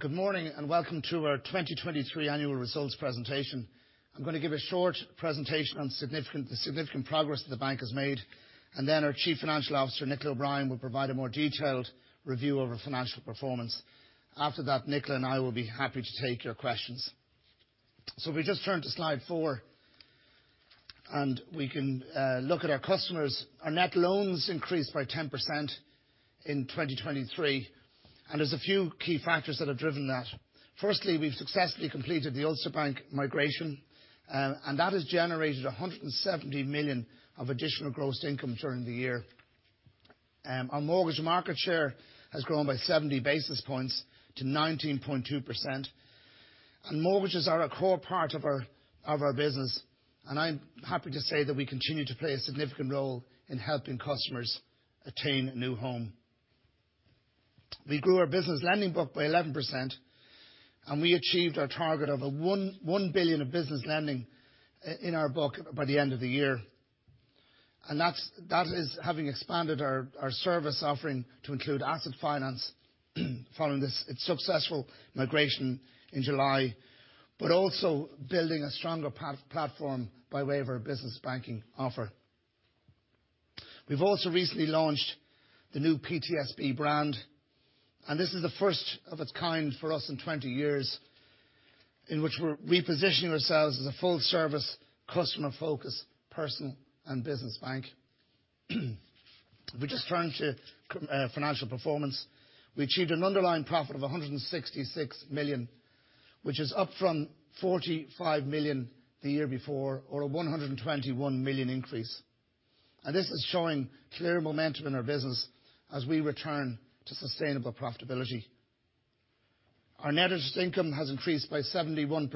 Good morning and welcome to our 2023 Annual Results Presentation. I'm going to give a short presentation on the significant progress the bank has made, and then our Chief Financial Officer, Nicola O'Brien, will provide a more detailed review of our financial performance. After that, Nicola and I will be happy to take your questions. So if we just turn to slide 4, and we can look at our customers, our net loans increased by 10% in 2023, and there's a few key factors that have driven that. Firstly, we've successfully completed the Ulster Bank migration, and that has generated 170 million of additional gross income during the year. Our mortgage market share has grown by 70 basis points to 19.2%, and mortgages are a core part of our business, and I'm happy to say that we continue to play a significant role in helping customers attain a new home. We grew our business lending book by 11%, and we achieved our target of 1 billion of business lending in our book by the end of the year. And that is having expanded our service offering to include asset finance following its successful migration in July, but also building a stronger platform by way of our business banking offer. We've also recently launched the new PTSB brand, and this is the first of its kind for us in 20 years in which we're repositioning ourselves as a full-service, customer-focused, personal and business bank. If we just turn to financial performance, we achieved an underlying profit of 166 million, which is up from 45 million the year before or a 121 million increase. And this is showing clear momentum in our business as we return to sustainable profitability. Our net interest income has increased by 71%,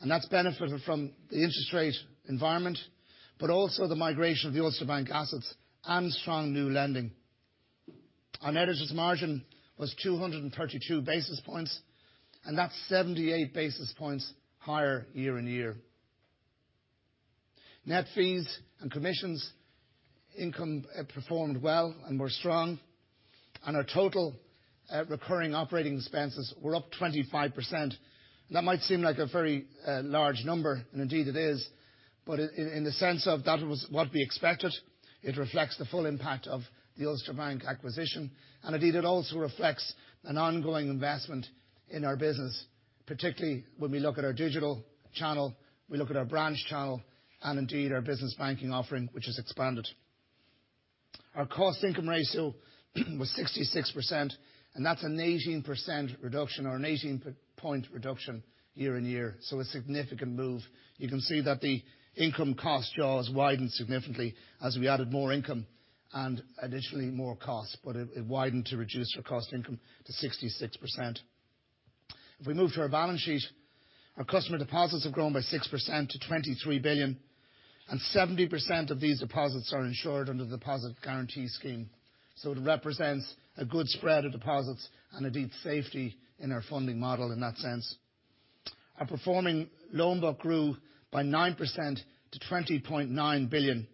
and that's benefited from the interest rate environment, but also the migration of the Ulster Bank assets and strong new lending. Our net interest margin was 232 basis points, and that's 78 basis points higher year-on-year. Net fees and commissions performed well and were strong, and our total recurring operating expenses were up 25%. That might seem like a very large number, and indeed it is, but in the sense of that was what we expected, it reflects the full impact of the Ulster Bank acquisition, and indeed it also reflects an ongoing investment in our business, particularly when we look at our digital channel, we look at our branch channel, and indeed our business banking offering, which has expanded. Our cost-income ratio was 66%, and that's an 18% reduction or an 18-point reduction year-on-year, so a significant move. You can see that the income-cost jaw has widened significantly as we added more income and additionally more costs, but it widened to reduce our cost-income to 66%. If we move to our balance sheet, our customer deposits have grown by 6% to 23 billion, and 70% of these deposits are insured under the Deposit Guarantee Scheme, so it represents a good spread of deposits and indeed safety in our funding model in that sense. Our performing loan book grew by 9% to 20.9 billion,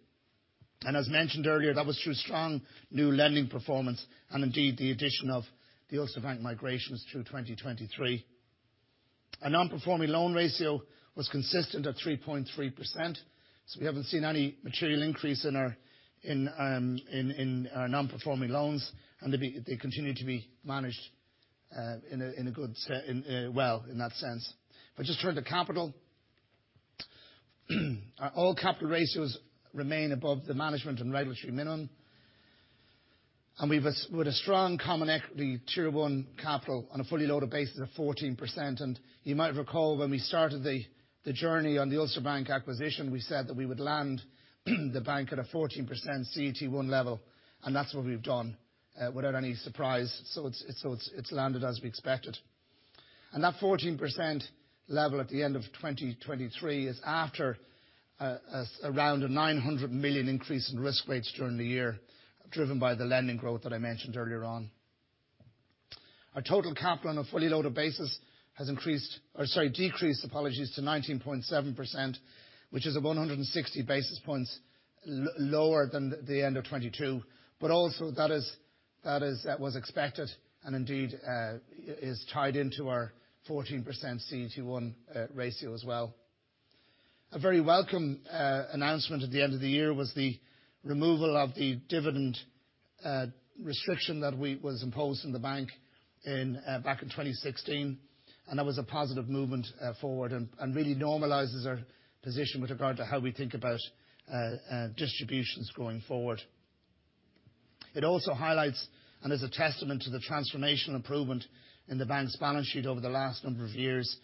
and as mentioned earlier, that was through strong new lending performance, and indeed the addition of the Ulster Bank migration through 2023. Our non-performing loan ratio was consistent at 3.3%, so we haven't seen any material increase in our non-performing loans, and they continue to be managed well in that sense. If I just turn to capital, our all-capital ratios remain above the management and regulatory minimum, and we're with a strong Common Equity Tier 1 capital on a fully loaded basis of 14%, and you might recall when we started the journey on the Ulster Bank acquisition, we said that we would land the bank at a 14% CET1 level, and that's what we've done without any surprise, so it's landed as we expected. That 14% level at the end of 2023 is after around a 900 million increase in risk-weighted assets during the year, driven by the lending growth that I mentioned earlier on. Our total capital on a fully loaded basis has increased or sorry, decreased, apologies, to 19.7%, which is 160 basis points lower than the end of 2022, but also that was expected and indeed is tied into our 14% CET1 ratio as well. A very welcome announcement at the end of the year was the removal of the dividend restriction that was imposed on the bank back in 2016, and that was a positive movement forward and really normalizes our position with regard to how we think about distributions going forward. It also highlights and is a testament to the transformational improvement in the bank's balance sheet over the last number of years,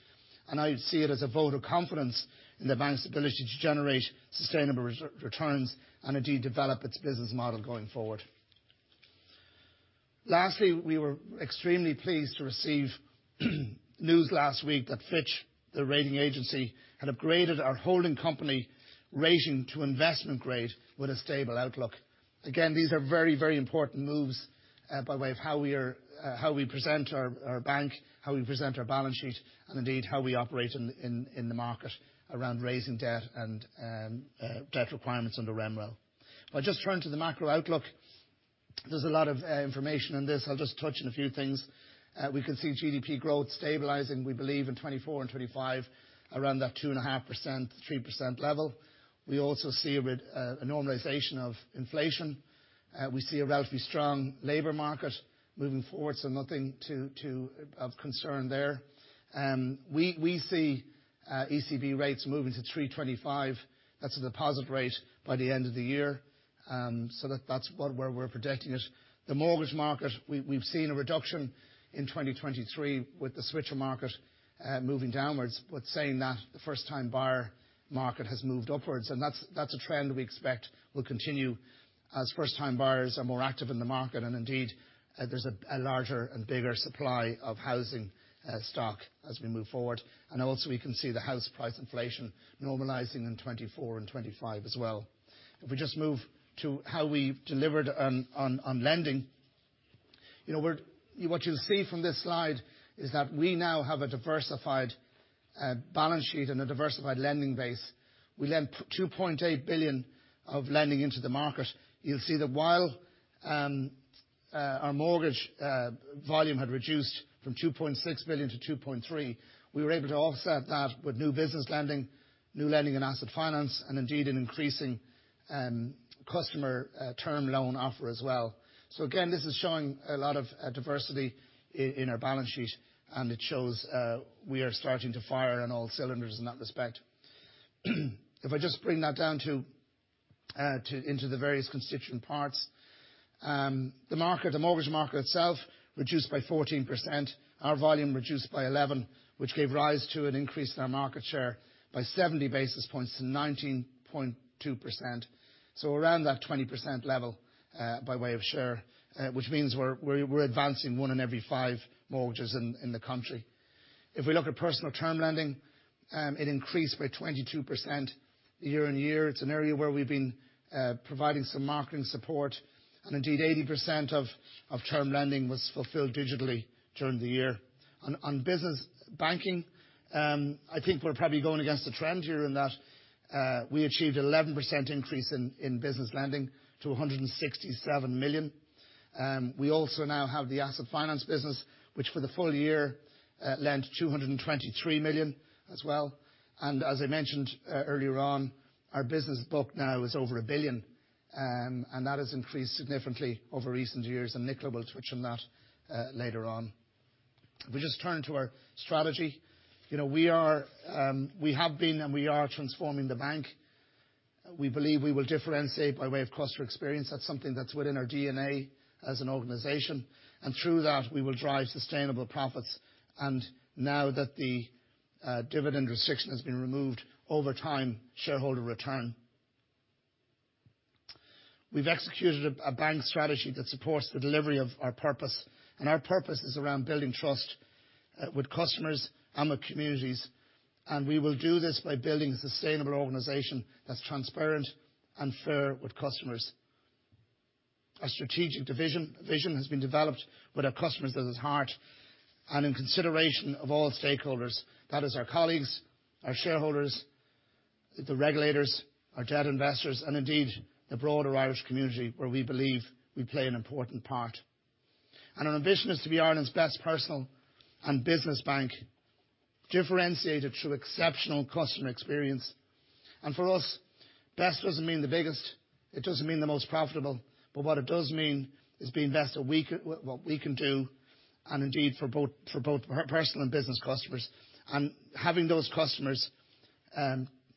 and I see it as a vote of confidence in the bank's ability to generate sustainable returns and indeed develop its business model going forward. Lastly, we were extremely pleased to receive news last week that Fitch Ratings, the rating agency, had upgraded our holding company rating to investment grade with a stable outlook. Again, these are very, very important moves by way of how we present our bank, how we present our balance sheet, and indeed how we operate in the market around raising debt and debt requirements under MREL. If I just turn to the macro outlook, there's a lot of information in this. I'll just touch on a few things. We can see GDP growth stabilizing, we believe, in 2024 and 2025 around that 2.5%-3% level. We also see a normalization of inflation. We see a relatively strong labor market moving forward, so nothing of concern there. We see ECB rates moving to 3.25. That's the deposit rate by the end of the year, so that's where we're projecting it. The mortgage market, we've seen a reduction in 2023 with the switcher market moving downwards, but saying that the first-time buyer market has moved upwards, and that's a trend we expect will continue as first-time buyers are more active in the market, and indeed there's a larger and bigger supply of housing stock as we move forward. Also we can see the house price inflation normalizing in 2024 and 2025 as well. If we just move to how we delivered on lending, what you'll see from this slide is that we now have a diversified balance sheet and a diversified lending base. We lent 2.8 billion of lending into the market. You'll see that while our mortgage volume had reduced from 2.6 billion-2.3 billion, we were able to offset that with new business lending, new lending in asset finance, and indeed an increasing customer term loan offer as well. So again, this is showing a lot of diversity in our balance sheet, and it shows we are starting to fire on all cylinders in that respect. If I just bring that down into the various constituent parts, the mortgage market itself reduced by 14%, our volume reduced by 11%, which gave rise to an increase in our market share by 70 basis points to 19.2%, so around that 20% level by way of share, which means we're advancing one in every five mortgages in the country. If we look at personal term lending, it increased by 22% year-on-year. It's an area where we've been providing some marketing support, and indeed 80% of term lending was fulfilled digitally during the year. On business banking, I think we're probably going against the trend here in that we achieved an 11% increase in business lending to 167 million. We also now have the asset finance business, which for the full year lent 223 million as well. And as I mentioned earlier on, our business book now is over 1 billion, and that has increased significantly over recent years, and Nicola will touch on that later on. If we just turn to our strategy, we have been and we are transforming the bank. We believe we will differentiate by way of customer experience. That's something that's within our DNA as an organization, and through that we will drive sustainable profits. Now that the dividend restriction has been removed, over time, shareholder return. We've executed a bank strategy that supports the delivery of our purpose, and our purpose is around building trust with customers and with communities, and we will do this by building a sustainable organization that's transparent and fair with customers. Our strategic vision has been developed with our customers at its heart, and in consideration of all stakeholders, that is our colleagues, our shareholders, the regulators, our debt investors, and indeed the broader Irish community where we believe we play an important part. Our ambition is to be Ireland's best personal and business bank, differentiated through exceptional customer experience. For us, best doesn't mean the biggest. It doesn't mean the most profitable, but what it does mean is being best at what we can do, and indeed for both personal and business customers, and having those customers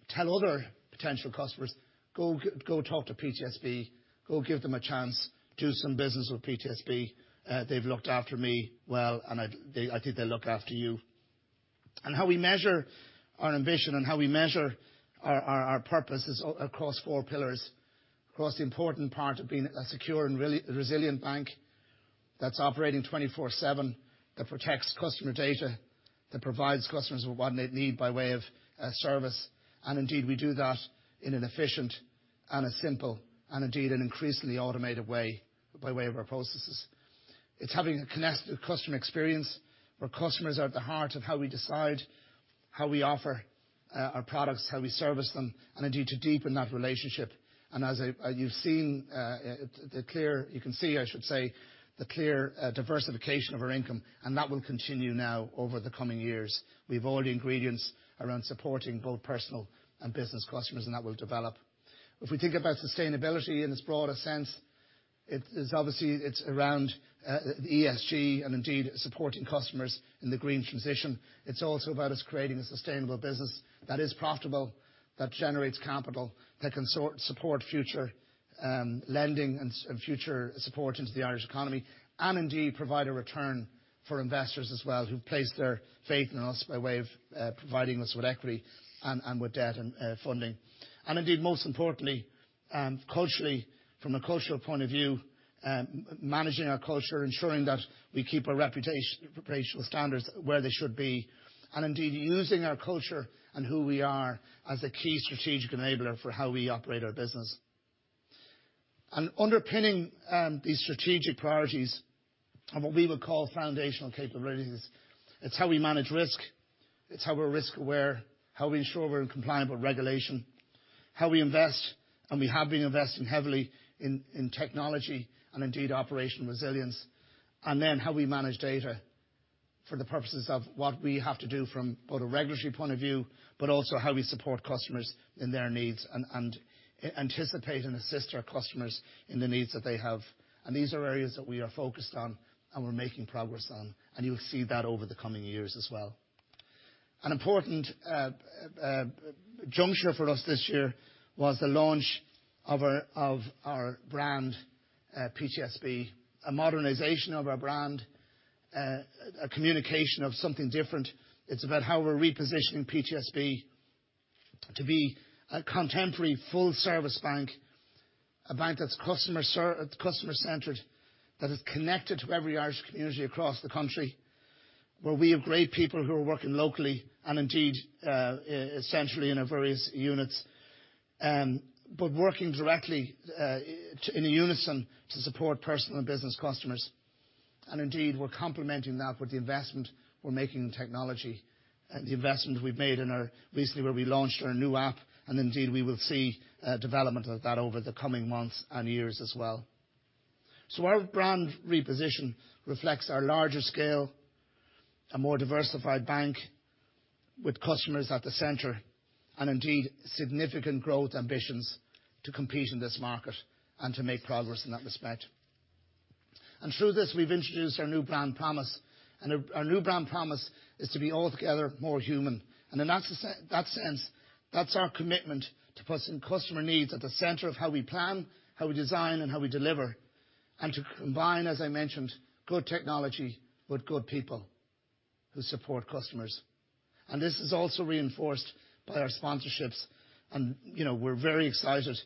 tell other potential customers, "Go talk to PTSB. Go give them a chance. Do some business with PTSB. They've looked after me well, and I think they'll look after you." How we measure our ambition and how we measure our purpose is across four pillars, across the important part of being a secure and resilient bank that's operating 24/7, that protects customer data, that provides customers with what they need by way of service, and indeed we do that in an efficient and a simple and indeed an increasingly automated way by way of our processes. It's having a connected customer experience where customers are at the heart of how we decide how we offer our products, how we service them, and indeed to deepen that relationship. As you've seen, you can see, I should say, the clear diversification of our income, and that will continue now over the coming years. We've already ingredients around supporting both personal and business customers, and that will develop. If we think about sustainability in its broader sense, obviously it's around the ESG and indeed supporting customers in the green transition. It's also about us creating a sustainable business that is profitable, that generates capital, that can support future lending and future support into the Irish economy, and indeed provide a return for investors as well who've placed their faith in us by way of providing us with equity and with debt and funding. Indeed, most importantly, culturally, from a cultural point of view, managing our culture, ensuring that we keep our reputational standards where they should be, and indeed using our culture and who we are as a key strategic enabler for how we operate our business. Underpinning these strategic priorities are what we would call foundational capabilities. It's how we manage risk. It's how we're risk-aware, how we ensure we're in compliance with regulation, how we invest, and we have been investing heavily in technology and indeed operational resilience, and then how we manage data for the purposes of what we have to do from both a regulatory point of view but also how we support customers in their needs and anticipate and assist our customers in the needs that they have. These are areas that we are focused on and we're making progress on, and you'll see that over the coming years as well. An important juncture for us this year was the launch of our brand, PTSB, a modernization of our brand, a communication of something different. It's about how we're repositioning PTSB to be a contemporary full-service bank, a bank that's customer-centered, that is connected to every Irish community across the country, where we have great people who are working locally and indeed centrally in our various units but working directly in unison to support personal and business customers. And indeed, we're complementing that with the investment we're making in technology, the investment we've made recently where we launched our new app, and indeed we will see development of that over the coming months and years as well. So our brand reposition reflects our larger scale, a more diversified bank with customers at the center, and indeed significant growth ambitions to compete in this market and to make progress in that respect. Through this, we've introduced our new brand promise, and our new brand promise is to be altogether more human. In that sense, that's our commitment to putting customer needs at the center of how we plan, how we design, and how we deliver, and to combine, as I mentioned, good technology with good people who support customers. This is also reinforced by our sponsorships, and we're very excited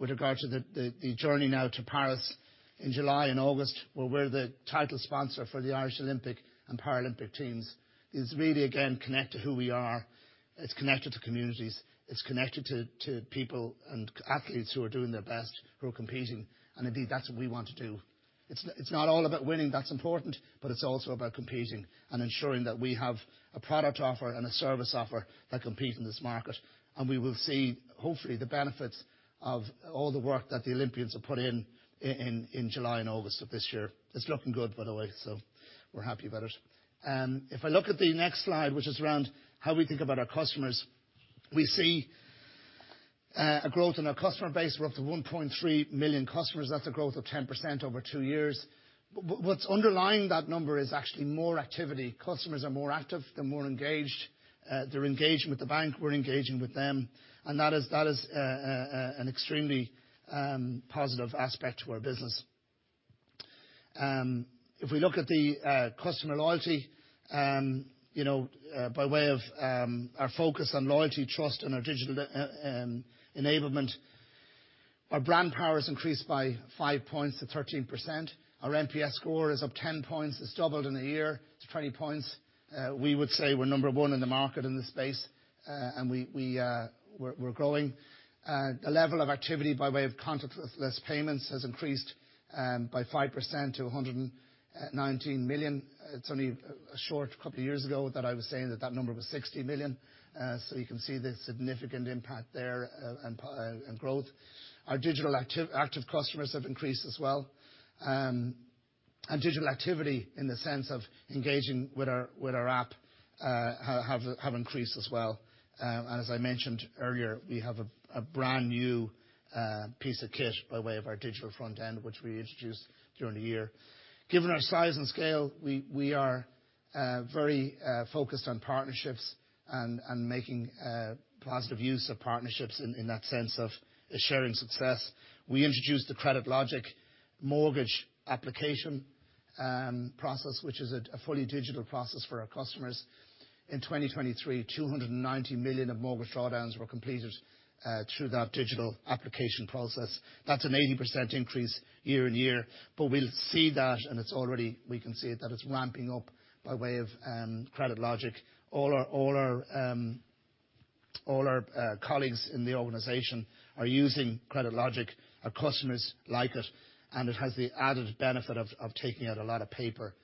with regard to the journey now to Paris in July and August where we're the title sponsor for the Irish Olympic and Paralympic teams. It's really, again, connected to who we are. It's connected to communities. It's connected to people and athletes who are doing their best, who are competing, and indeed that's what we want to do. It's not all about winning. That's important, but it's also about competing and ensuring that we have a product offer and a service offer that compete in this market, and we will see, hopefully, the benefits of all the work that the Olympians have put in in July and August of this year. It's looking good, by the way, so we're happy about it. If I look at the next slide, which is around how we think about our customers, we see a growth in our customer base. We're up to 1.3 million customers. That's a growth of 10% over two years. What's underlying that number is actually more activity. Customers are more active. They're more engaged. They're engaging with the bank. We're engaging with them, and that is an extremely positive aspect to our business. If we look at the customer loyalty, by way of our focus on loyalty, trust, and our digital enablement, our brand power has increased by 5 points to 13%. Our NPS score is up 10 points. It's doubled in a year. It's 20 points. We would say we're number one in the market in this space, and we're growing. The level of activity by way of contactless payments has increased by 5% to 119 million. It's only a short couple of years ago that I was saying that that number was 60 million, so you can see the significant impact there and growth. Our digital active customers have increased as well, and digital activity in the sense of engaging with our app have increased as well. As I mentioned earlier, we have a brand new piece of kit by way of our digital front end, which we introduce during the year. Given our size and scale, we are very focused on partnerships and making positive use of partnerships in that sense of sharing success. We introduced the CreditLogic mortgage application process, which is a fully digital process for our customers. In 2023, 290 million of mortgage drawdowns were completed through that digital application process. That's an 80% year-over-year increase, but we'll see that, and we can see it that it's ramping up by way of CreditLogic. All our colleagues in the organization are using CreditLogic. Our customers like it, and it has the added benefit of taking out a lot of paper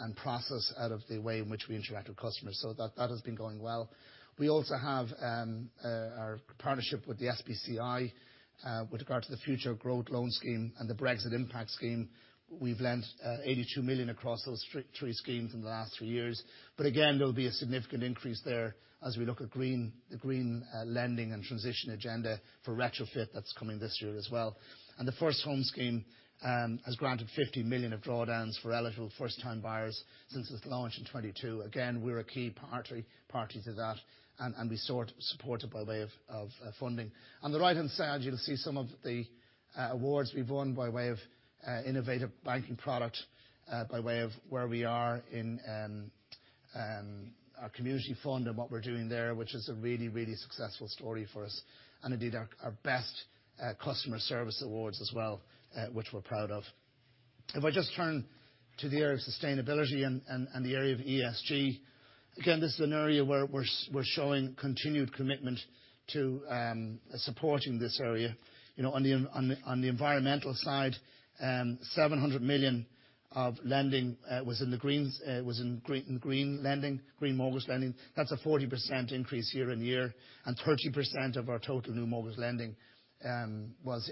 and process out of the way in which we interact with customers, so that has been going well. We also have our partnership with the SBCI with regard to the Future Growth Loan Scheme and the Brexit Impact Scheme. We've lent 82 million across those three schemes in the last three years, but again, there'll be a significant increase there as we look at the green lending and transition agenda for retrofit that's coming this year as well. The First Home Scheme has granted 50 million of drawdowns for eligible first-time buyers since its launch in 2022. Again, we're a key party to that, and we support it by way of funding. On the right-hand side, you'll see some of the awards we've won by way of innovative banking product, by way of where we are in our community fund and what we're doing there, which is a really, really successful story for us, and indeed our best customer service awards as well, which we're proud of. If I just turn to the area of sustainability and the area of ESG, again, this is an area where we're showing continued commitment to supporting this area. On the environmental side, 700 million of lending was in the green lending, green mortgage lending. That's a 40% increase year-over-year, and 30% of our total new mortgage lending was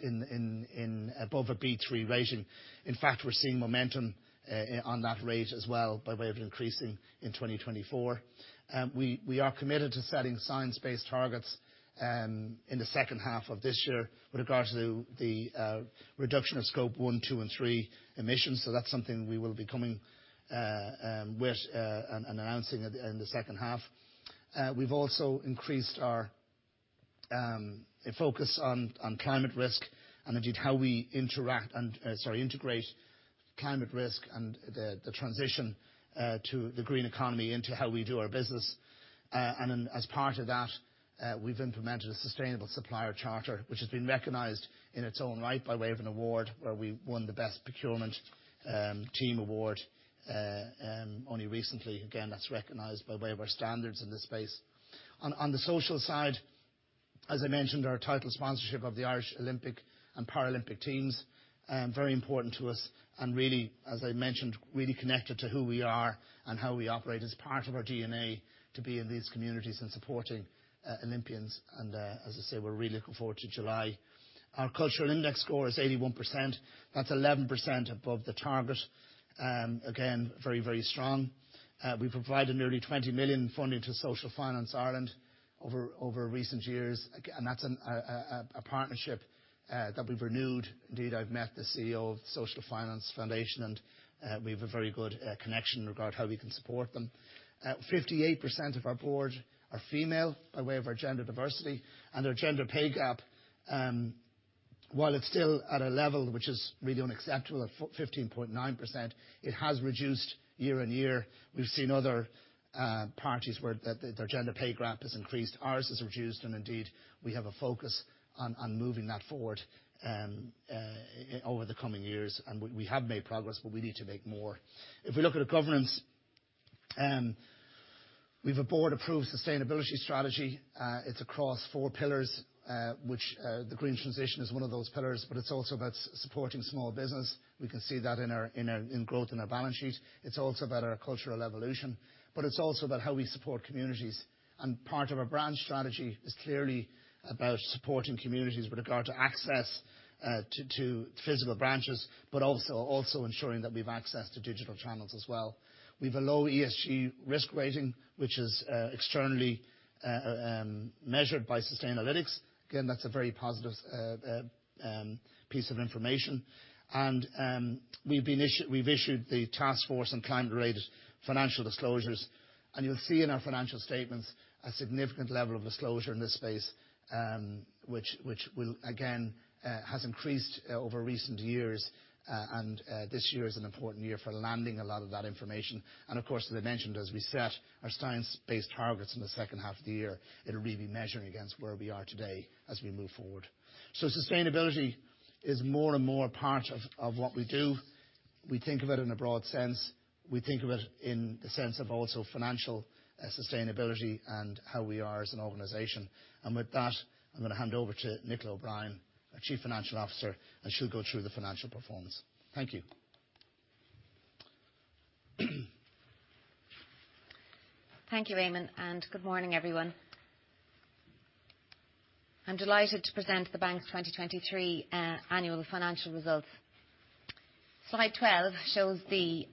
above a B3 rating. In fact, we're seeing momentum on that rate as well by way of increasing in 2024. We are committed to setting science-based targets in the second half of this year with regard to the reduction of Scope 1, 2, and 3 emissions, so that's something we will be coming with and announcing in the second half. We've also increased our focus on climate risk and indeed how we integrate climate risk and the transition to the green economy into how we do our business. As part of that, we've implemented a sustainable supplier charter, which has been recognized in its own right by way of an award where we won the Best Procurement Team Award only recently. Again, that's recognized by way of our standards in this space. On the social side, as I mentioned, our title sponsorship of the Irish Olympic and Paralympic teams is very important to us and really, as I mentioned, really connected to who we are and how we operate as part of our DNA to be in these communities and supporting Olympians. As I say, we're really looking forward to July. Our cultural index score is 81%. That's 11% above the target. Again, very, very strong. We provided nearly 20 million funding to Social Finance Ireland over recent years, and that's a partnership that we've renewed. Indeed, I've met the CEO of the Social Finance Foundation, and we have a very good connection in regard to how we can support them. 58% of our board are female by way of our gender diversity, and their gender pay gap, while it's still at a level which is really unacceptable, at 15.9%, it has reduced year-on-year. We've seen other parties where their gender pay gap has increased. Ours has reduced, and indeed, we have a focus on moving that forward over the coming years, and we have made progress, but we need to make more. If we look at governance, we have a board-approved sustainability strategy. It's across four pillars, which the green transition is one of those pillars, but it's also about supporting small business. We can see that in growth in our balance sheet. It's also about our cultural evolution, but it's also about how we support communities. Part of our brand strategy is clearly about supporting communities with regard to access to physical branches but also ensuring that we've access to digital channels as well. We have a low ESG risk rating, which is externally measured by Sustainalytics. Again, that's a very positive piece of information. We've issued the Task Force on Climate-Related Financial Disclosures, and you'll see in our financial statements a significant level of disclosure in this space, which, again, has increased over recent years, and this year is an important year for landing a lot of that information. Of course, as I mentioned, as we set our science-based targets in the second half of the year, it'll really be measuring against where we are today as we move forward. Sustainability is more and more part of what we do. We think of it in a broad sense. We think of it in the sense of also financial sustainability and how we are as an organization. And with that, I'm going to hand over to Nicola O'Brien, our Chief Financial Officer, and she'll go through the financial performance. Thank you. Thank you, Eamonn Crowley, and good morning, everyone. I'm delighted to present the bank's 2023 annual financial results. Slide 12 shows the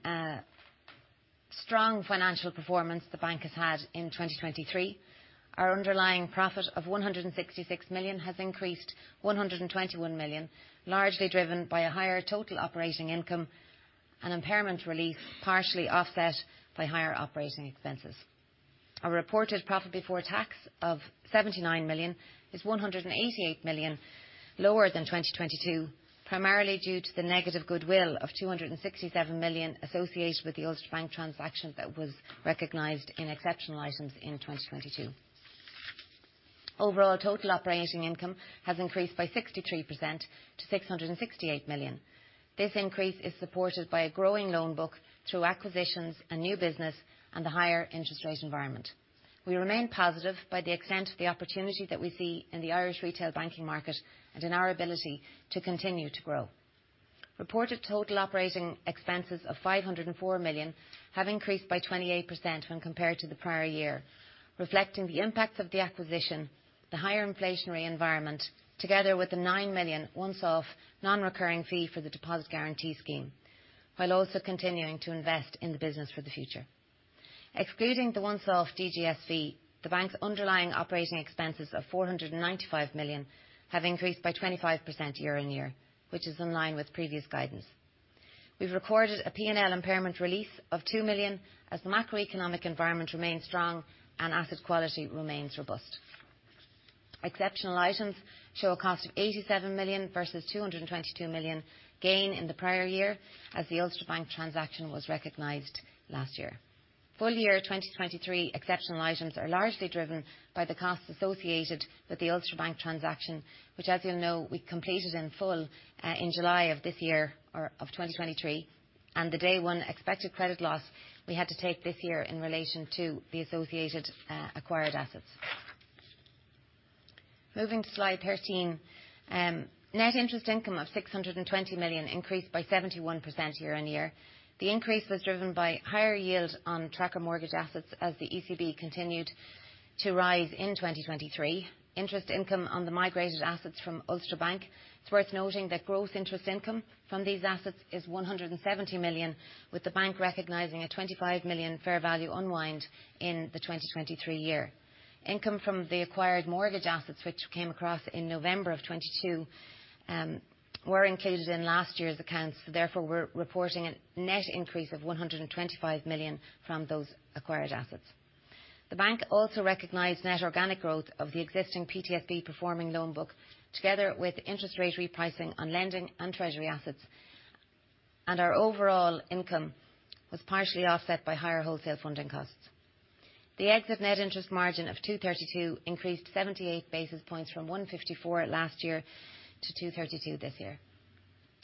strong financial performance the bank has had in 2023. Our underlying profit of 166 million has increased 121 million, largely driven by a higher total operating income and impairment relief partially offset by higher operating expenses. Our reported profit before tax of 79 million is 188 million lower than 2022, primarily due to the negative goodwill of 267 million associated with the Ulster Bank transaction that was recognized in exceptional items in 2022. Overall, total operating income has increased by 63% to 668 million. This increase is supported by a growing loan book through acquisitions and new business and the higher interest rate environment. We remain positive by the extent of the opportunity that we see in the Irish retail banking market and in our ability to continue to grow. Reported total operating expenses of 504 million have increased by 28% when compared to the prior year, reflecting the impacts of the acquisition, the higher inflationary environment, together with the 9 million once-off non-recurring fee for the Deposit Guarantee Scheme, while also continuing to invest in the business for the future. Excluding the once-off DGS fee, the bank's underlying operating expenses of 495 million have increased by 25% year-on-year, which is in line with previous guidance. We've recorded a P&L impairment release of 2 million as the macroeconomic environment remains strong and asset quality remains robust. Exceptional items show a cost of 87 million versus 222 million gain in the prior year as the Ulster Bank transaction was recognized last year. Full year 2023 exceptional items are largely driven by the costs associated with the Ulster Bank transaction, which, as you'll know, we completed in full in July of this year of 2023, and the day one expected credit loss we had to take this year in relation to the associated acquired assets. Moving to slide 13, net interest income of 620 million increased by 71% year-on-year. The increase was driven by higher yield on tracker mortgage assets as the ECB continued to rise in 2023. Interest income on the migrated assets from Ulster Bank. It's worth noting that gross interest income from these assets is 170 million, with the bank recognizing a 25 million fair value unwind in the 2023 year. Income from the acquired mortgage assets, which came across in November of 2022, were included in last year's accounts, so therefore we're reporting a net increase of 125 million from those acquired assets. The bank also recognized net organic growth of the existing PTSB performing loan book together with interest rate repricing on lending and treasury assets, and our overall income was partially offset by higher wholesale funding costs. The exit net interest margin of 232 increased 78 basis points from 154 last year to 232 this year.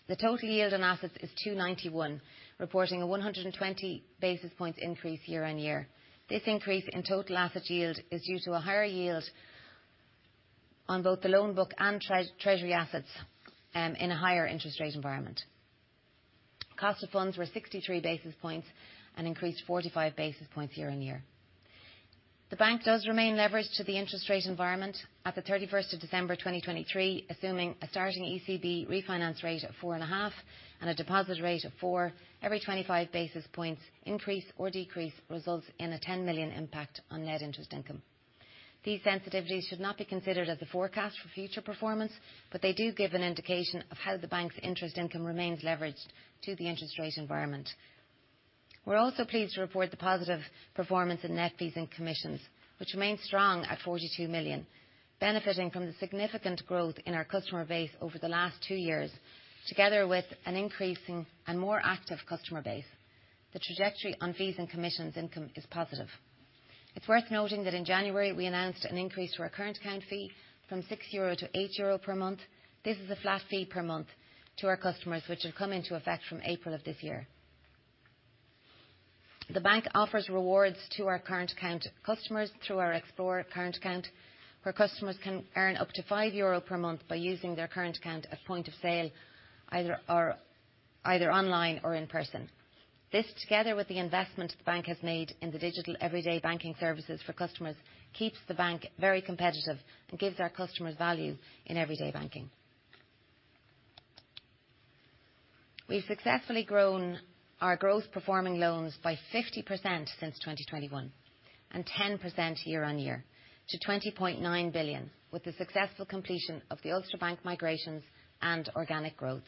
The total yield on assets is 291, reporting a 120 basis points increase year-over-year. This increase in total asset yield is due to a higher yield on both the loan book and treasury assets in a higher interest rate environment. Cost of funds were 63 basis points and increased 45 basis points year-over-year. The bank does remain leveraged to the interest rate environment. At the 31st of December 2023, assuming a starting ECB refinance rate of 4.5 and a deposit rate of 4, every 25 basis points increase or decrease results in a 10 million impact on net interest income. These sensitivities should not be considered as a forecast for future performance, but they do give an indication of how the bank's interest income remains leveraged to the interest rate environment. We're also pleased to report the positive performance in net fees and commissions, which remains strong at 42 million, benefiting from the significant growth in our customer base over the last two years together with an increasing and more active customer base. The trajectory on fees and commissions income is positive. It's worth noting that in January, we announced an increase to our current account fee from 6-8 euro per month. This is a flat fee per month to our customers, which will come into effect from April of this year. The bank offers rewards to our current account customers through our Explore Current Account, where customers can earn up to 5 euro per month by using their current account at point of sale either online or in person. This, together with the investment the bank has made in the digital everyday banking services for customers, keeps the bank very competitive and gives our customers value in everyday banking. We've successfully grown our growth performing loans by 50% since 2021 and 10% year-on-year to 20.9 billion with the successful completion of the Ulster Bank migrations and organic growth.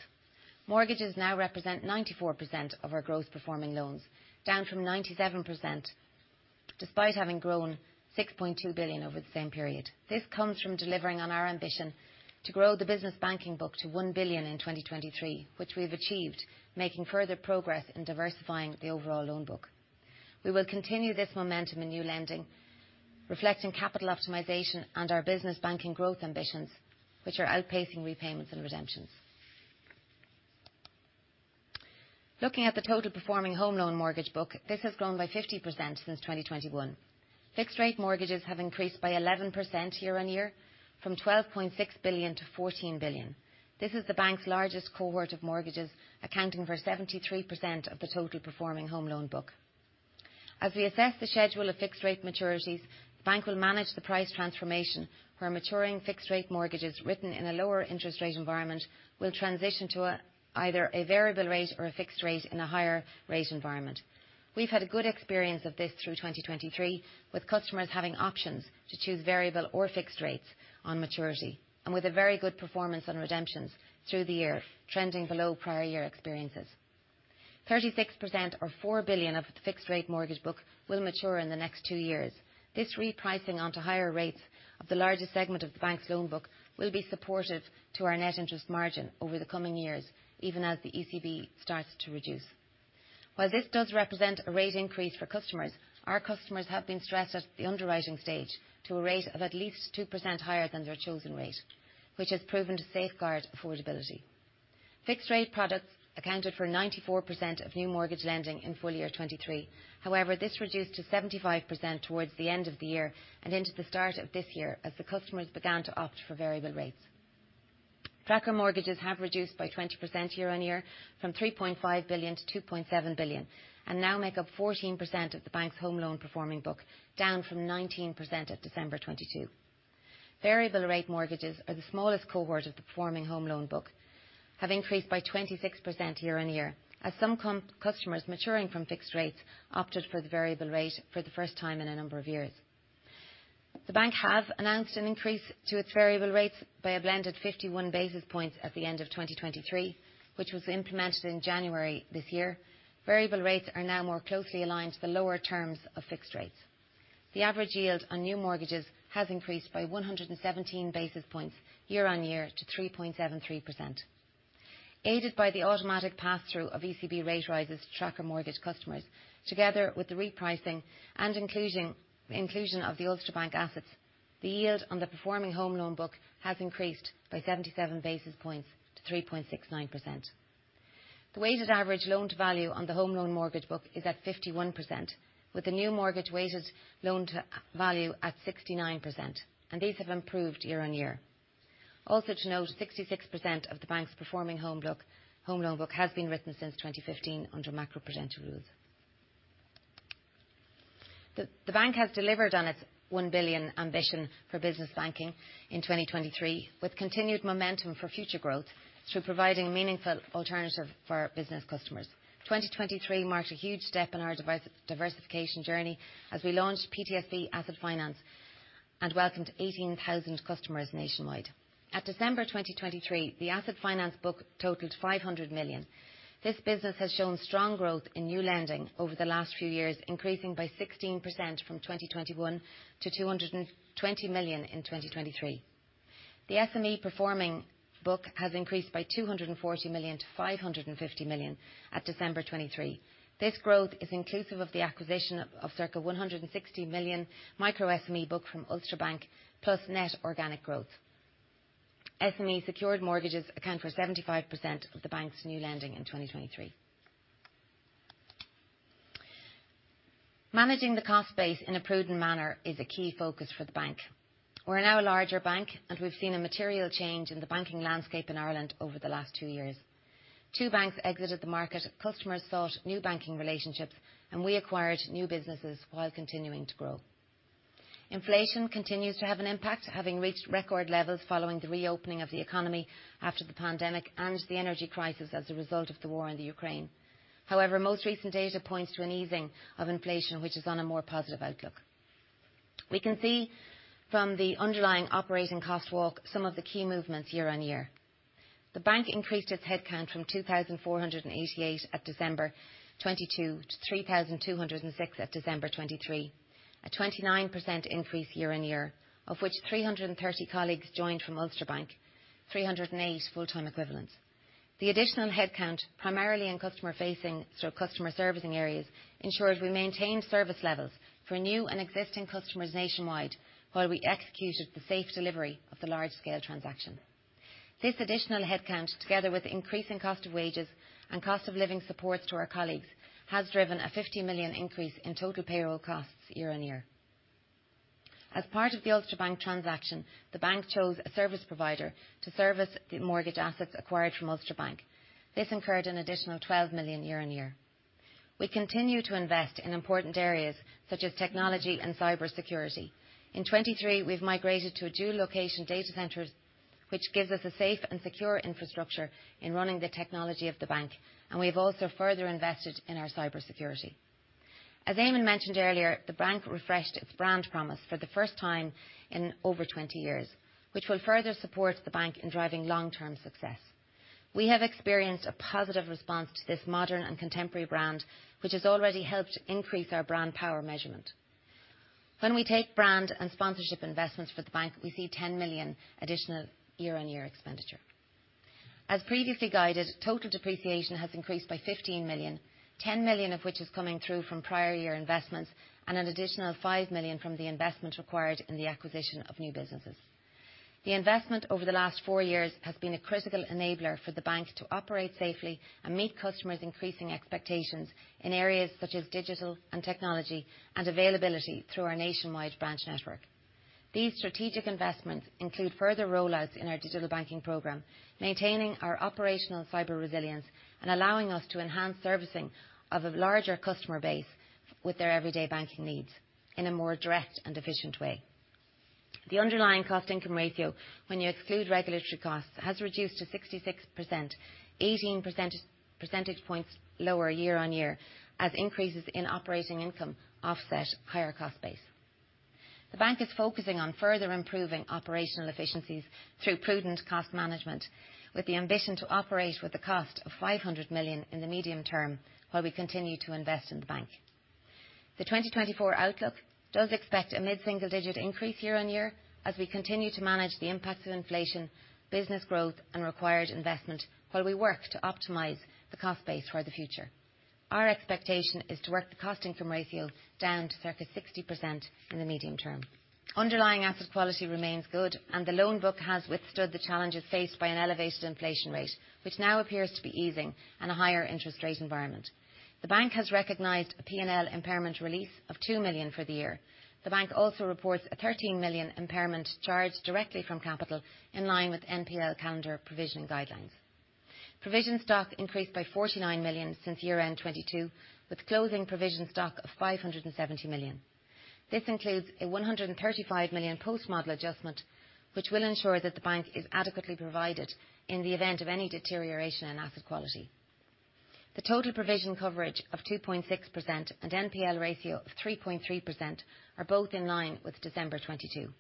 Mortgages now represent 94% of our growth performing loans, down from 97% despite having grown 6.2 billion over the same period. This comes from delivering on our ambition to grow the business banking book to 1 billion in 2023, which we have achieved, making further progress in diversifying the overall loan book. We will continue this momentum in new lending, reflecting capital optimization and our business banking growth ambitions, which are outpacing repayments and redemptions. Looking at the total performing home loan mortgage book, this has grown by 50% since 2021. Fixed rate mortgages have increased by 11% year-on-year from 12.6 billion-14 billion. This is the bank's largest cohort of mortgages, accounting for 73% of the total performing home loan book. As we assess the schedule of fixed rate maturities, the bank will manage the price transformation where maturing fixed rate mortgages written in a lower interest rate environment will transition to either a variable rate or a fixed rate in a higher rate environment. We've had a good experience of this through 2023, with customers having options to choose variable or fixed rates on maturity and with a very good performance on redemptions through the year, trending below prior year experiences. 36% or 4 billion of the fixed rate mortgage book will mature in the next two years. This repricing onto higher rates of the largest segment of the bank's loan book will be supportive to our net interest margin over the coming years, even as the ECB starts to reduce. While this does represent a rate increase for customers, our customers have been stressed at the underwriting stage to a rate of at least 2% higher than their chosen rate, which has proven to safeguard affordability. Fixed rate products accounted for 94% of new mortgage lending in full year 2023. However, this reduced to 75% towards the end of the year and into the start of this year as the customers began to opt for variable rates. Tracker mortgages have reduced by 20% year-on-year from 3.5 billion to 2.7 billion and now make up 14% of the bank's home loan performing book, down from 19% at December 2022. Variable rate mortgages are the smallest cohort of the performing home loan book, have increased by 26% year-over-year as some customers maturing from fixed rates opted for the variable rate for the first time in a number of years. The bank has announced an increase to its variable rates by a blended 51 basis points at the end of 2023, which was implemented in January this year. Variable rates are now more closely aligned to the lower terms of fixed rates. The average yield on new mortgages has increased by 117 basis points year-over-year to 3.73%. Aided by the automatic pass-through of ECB rate rises to tracker mortgage customers, together with the repricing and inclusion of the Ulster Bank assets, the yield on the performing home loan book has increased by 77 basis points to 3.69%. The weighted average loan to value on the home loan mortgage book is at 51%, with the new mortgage weighted loan to value at 69%, and these have improved year-on-year. Also to note, 66% of the bank's performing home loan book has been written since 2015 under macroprudential rules. The bank has delivered on its 1 billion ambition for business banking in 2023, with continued momentum for future growth through providing a meaningful alternative for business customers. 2023 marked a huge step in our diversification journey as we launched PTSB Asset Finance and welcomed 18,000 customers nationwide. At December 2023, the asset finance book totaled 500 million. This business has shown strong growth in new lending over the last few years, increasing by 16% from 2021 to 220 million in 2023. The SME performing book has increased by 240 million-550 million at December 2023. This growth is inclusive of the acquisition of circa 160 million micro-SME book from Ulster Bank plus net organic growth. SME secured mortgages account for 75% of the bank's new lending in 2023. Managing the cost base in a prudent manner is a key focus for the bank. We're now a larger bank, and we've seen a material change in the banking landscape in Ireland over the last two years. Two banks exited the market. Customers sought new banking relationships, and we acquired new businesses while continuing to grow. Inflation continues to have an impact, having reached record levels following the reopening of the economy after the pandemic and the energy crisis as a result of the war in the Ukraine. However, most recent data points to an easing of inflation, which is on a more positive outlook. We can see from the underlying operating cost walk some of the key movements year-over-year. The bank increased its headcount from 2,488 at December 2022 to 3,206 at December 2023, a 29% increase year-over-year, of which 330 colleagues joined from Ulster Bank, 308 full-time equivalents. The additional headcount, primarily in customer-facing through customer servicing areas, ensured we maintained service levels for new and existing customers nationwide while we executed the safe delivery of the large-scale transaction. This additional headcount, together with the increasing cost of wages and cost of living supports to our colleagues, has driven a 50 million increase in total payroll costs year-over-year. As part of the Ulster Bank transaction, the bank chose a service provider to service the mortgage assets acquired from Ulster Bank. This incurred an additional 12 million year-over-year. We continue to invest in important areas such as technology and cybersecurity. In 2023, we've migrated to a dual-location data center, which gives us a safe and secure infrastructure in running the technology of the bank, and we have also further invested in our cybersecurity. As Eamonn mentioned earlier, the bank refreshed its brand promise for the first time in over 20 years, which will further support the bank in driving long-term success. We have experienced a positive response to this modern and contemporary brand, which has already helped increase our brand power measurement. When we take brand and sponsorship investments for the bank, we see 10 million additional year-on-year expenditure. As previously guided, total depreciation has increased by 15 million, 10 million of which is coming through from prior year investments and an additional 5 million from the investment required in the acquisition of new businesses. The investment over the last four years has been a critical enabler for the bank to operate safely and meet customers' increasing expectations in areas such as digital and technology and availability through our nationwide branch network. These strategic investments include further rollouts in our digital banking program, maintaining our operational cyber resilience and allowing us to enhance servicing of a larger customer base with their everyday banking needs in a more direct and efficient way. The underlying cost-income ratio, when you exclude regulatory costs, has reduced to 66%, 18 percentage points lower year-on-year as increases in operating income offset higher cost base. The bank is focusing on further improving operational efficiencies through prudent cost management, with the ambition to operate with the cost of 500 million in the medium term while we continue to invest in the bank. The 2024 outlook does expect a mid-single digit increase year-on-year as we continue to manage the impacts of inflation, business growth, and required investment while we work to optimize the cost base for the future. Our expectation is to work the cost-income ratio down to circa 60% in the medium term. Underlying asset quality remains good, and the loan book has withstood the challenges faced by an elevated inflation rate, which now appears to be easing, and a higher interest rate environment. The bank has recognized a P&L impairment release of 2 million for the year. The bank also reports a 13 million impairment charged directly from capital in line with NPL calendar provision guidelines. Provision stock increased by 49 million since year-end 2022, with closing provision stock of 570 million. This includes a 135 million post-model adjustment, which will ensure that the bank is adequately provided in the event of any deterioration in asset quality. The total provision coverage of 2.6% and NPL ratio of 3.3% are both in line with December 2022.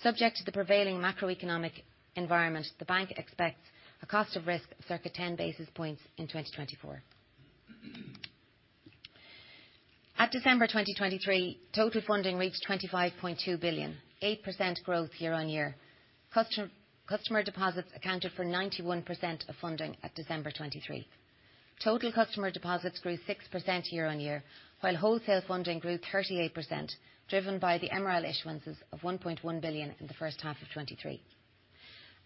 Subject to the prevailing macroeconomic environment, the bank expects a cost of risk of circa 10 basis points in 2024. At December 2023, total funding reached 25.2 billion, 8% growth year-on-year. Customer deposits accounted for 91% of funding at December 2023. Total customer deposits grew 6% year-on-year, while wholesale funding grew 38%, driven by the MREL issuances of 1.1 billion in the first half of 2023.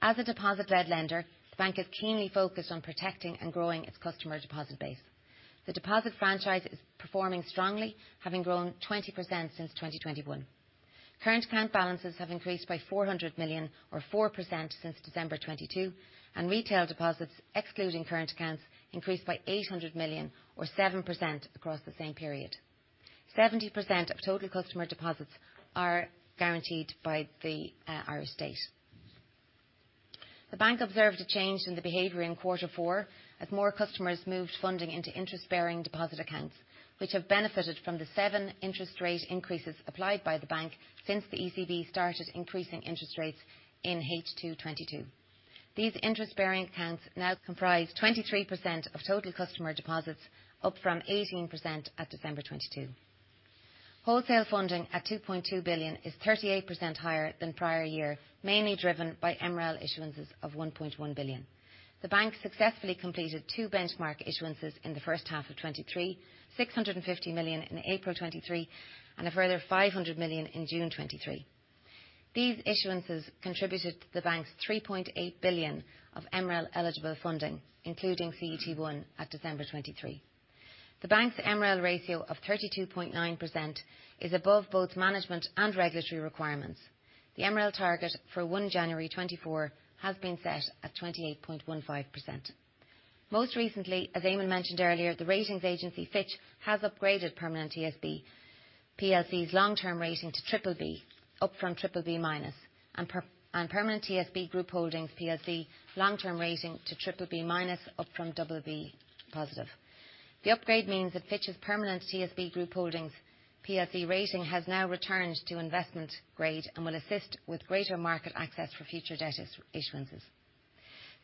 As a deposit-led lender, the bank is keenly focused on protecting and growing its customer deposit base. The deposit franchise is performing strongly, having grown 20% since 2021. Current account balances have increased by 400 million, or 4%, since December 2022, and retail deposits, excluding current accounts, increased by 800 million, or 7%, across the same period. 70% of total customer deposits are guaranteed by the Irish state. The bank observed a change in the behavior in quarter four as more customers moved funding into interest-bearing deposit accounts, which have benefited from the 7 interest rate increases applied by the bank since the ECB started increasing interest rates in 2022. These interest-bearing accounts now comprise 23% of total customer deposits, up from 18% at December 2022. Wholesale funding at 2.2 billion is 38% higher than prior year, mainly driven by MREL issuances of 1.1 billion. The bank successfully completed 2 benchmark issuances in the first half of 2023, 650 million in April 2023 and a further 500 million in June 2023. These issuances contributed to the bank's 3.8 billion of MREL eligible funding, including CET1, at December 2023. The bank's MREL ratio of 32.9% is above both management and regulatory requirements. The MREL target for 1 January 2024 has been set at 28.15%. Most recently, as Eamonn mentioned earlier, the ratings agency Fitch Ratings has upgraded Permanent TSB PLC's long-term rating to BBB, up from BBB-, and Permanent TSB Group Holdings PLC's long-term rating to BBB-, up from BBB+. The upgrade means that Fitch Ratings's Permanent TSB Group Holdings PLC rating has now returned to investment grade and will assist with greater market access for future debt issuances.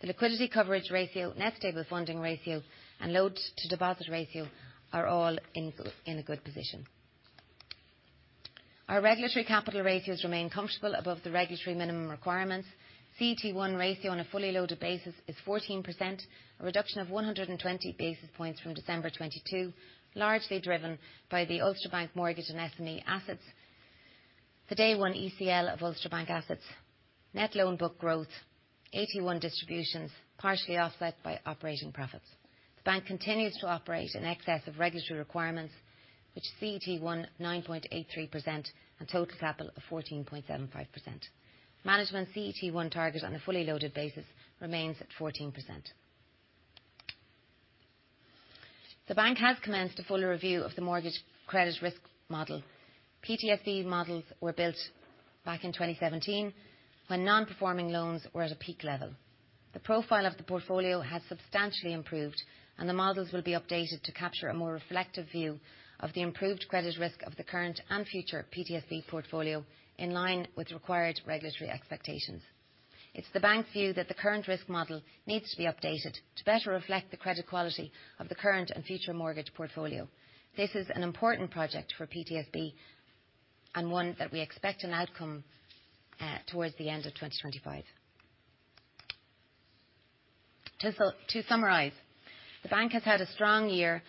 The liquidity coverage ratio, net stable funding ratio, and loan-to-deposit ratio are all in a good position. Our regulatory capital ratios remain comfortable above the regulatory minimum requirements. CET1 ratio on a fully loaded basis is 14%, a reduction of 120 basis points from December 2022, largely driven by the Ulster Bank mortgage and SME assets, the day-one ECL of Ulster Bank assets, net loan book growth, AT1 distributions, partially offset by operating profits. The bank continues to operate in excess of regulatory requirements, which CET1 9.83% and total capital of 14.75%. Management CET1 target on a fully loaded basis remains at 14%. The bank has commenced a fuller review of the mortgage credit risk model. PTSB models were built back in 2017 when non-performing loans were at a peak level. The profile of the portfolio has substantially improved, and the models will be updated to capture a more reflective view of the improved credit risk of the current and future PTSB portfolio in line with required regulatory expectations. It's the bank's view that the current risk model needs to be updated to better reflect the credit quality of the current and future mortgage portfolio. This is an important project for PTSB and one that we expect an outcome towards the end of 2025. To summarize, the bank has had a strong year,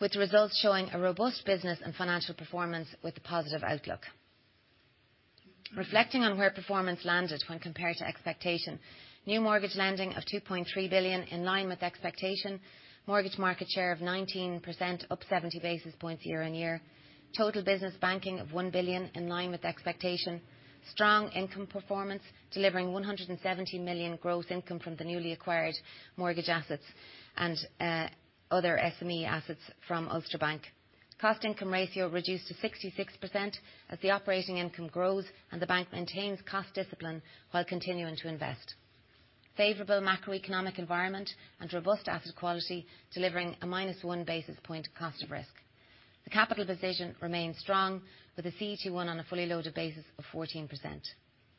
with results showing a robust business and financial performance with a positive outlook. Reflecting on where performance landed when compared to expectation, new mortgage lending of 2.3 billion in line with expectation, mortgage market share of 19%, up 70 basis points year-over-year, total business banking of 1 billion in line with expectation, strong income performance delivering 170 million gross income from the newly acquired mortgage assets and other SME assets from Ulster Bank. Cost-income ratio reduced to 66% as the operating income grows and the bank maintains cost discipline while continuing to invest. Favorable macroeconomic environment and robust asset quality delivering a minus 1 basis point cost of risk. The capital position remains strong, with a CET1 on a fully loaded basis of 14%.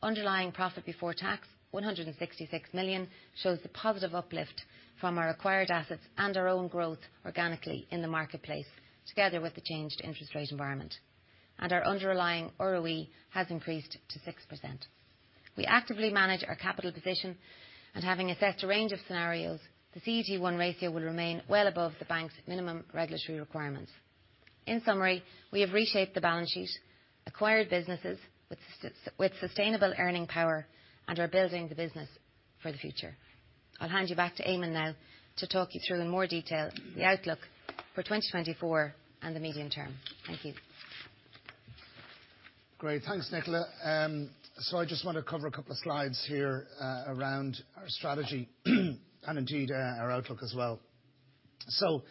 Underlying profit before tax, 166 million, shows the positive uplift from our acquired assets and our own growth organically in the marketplace, together with the changed interest rate environment. Our underlying ROE has increased to 6%. We actively manage our capital position, and having assessed a range of scenarios, the CET1 ratio will remain well above the bank's minimum regulatory requirements. In summary, we have reshaped the balance sheet, acquired businesses with sustainable earning power, and are building the business for the future. I'll hand you back to Eamonn now to talk you through in more detail the outlook for 2024 and the medium term. Thank you. Great. Thanks, Nicola. So I just want to cover a couple of slides here around our strategy and, indeed, our outlook as well. So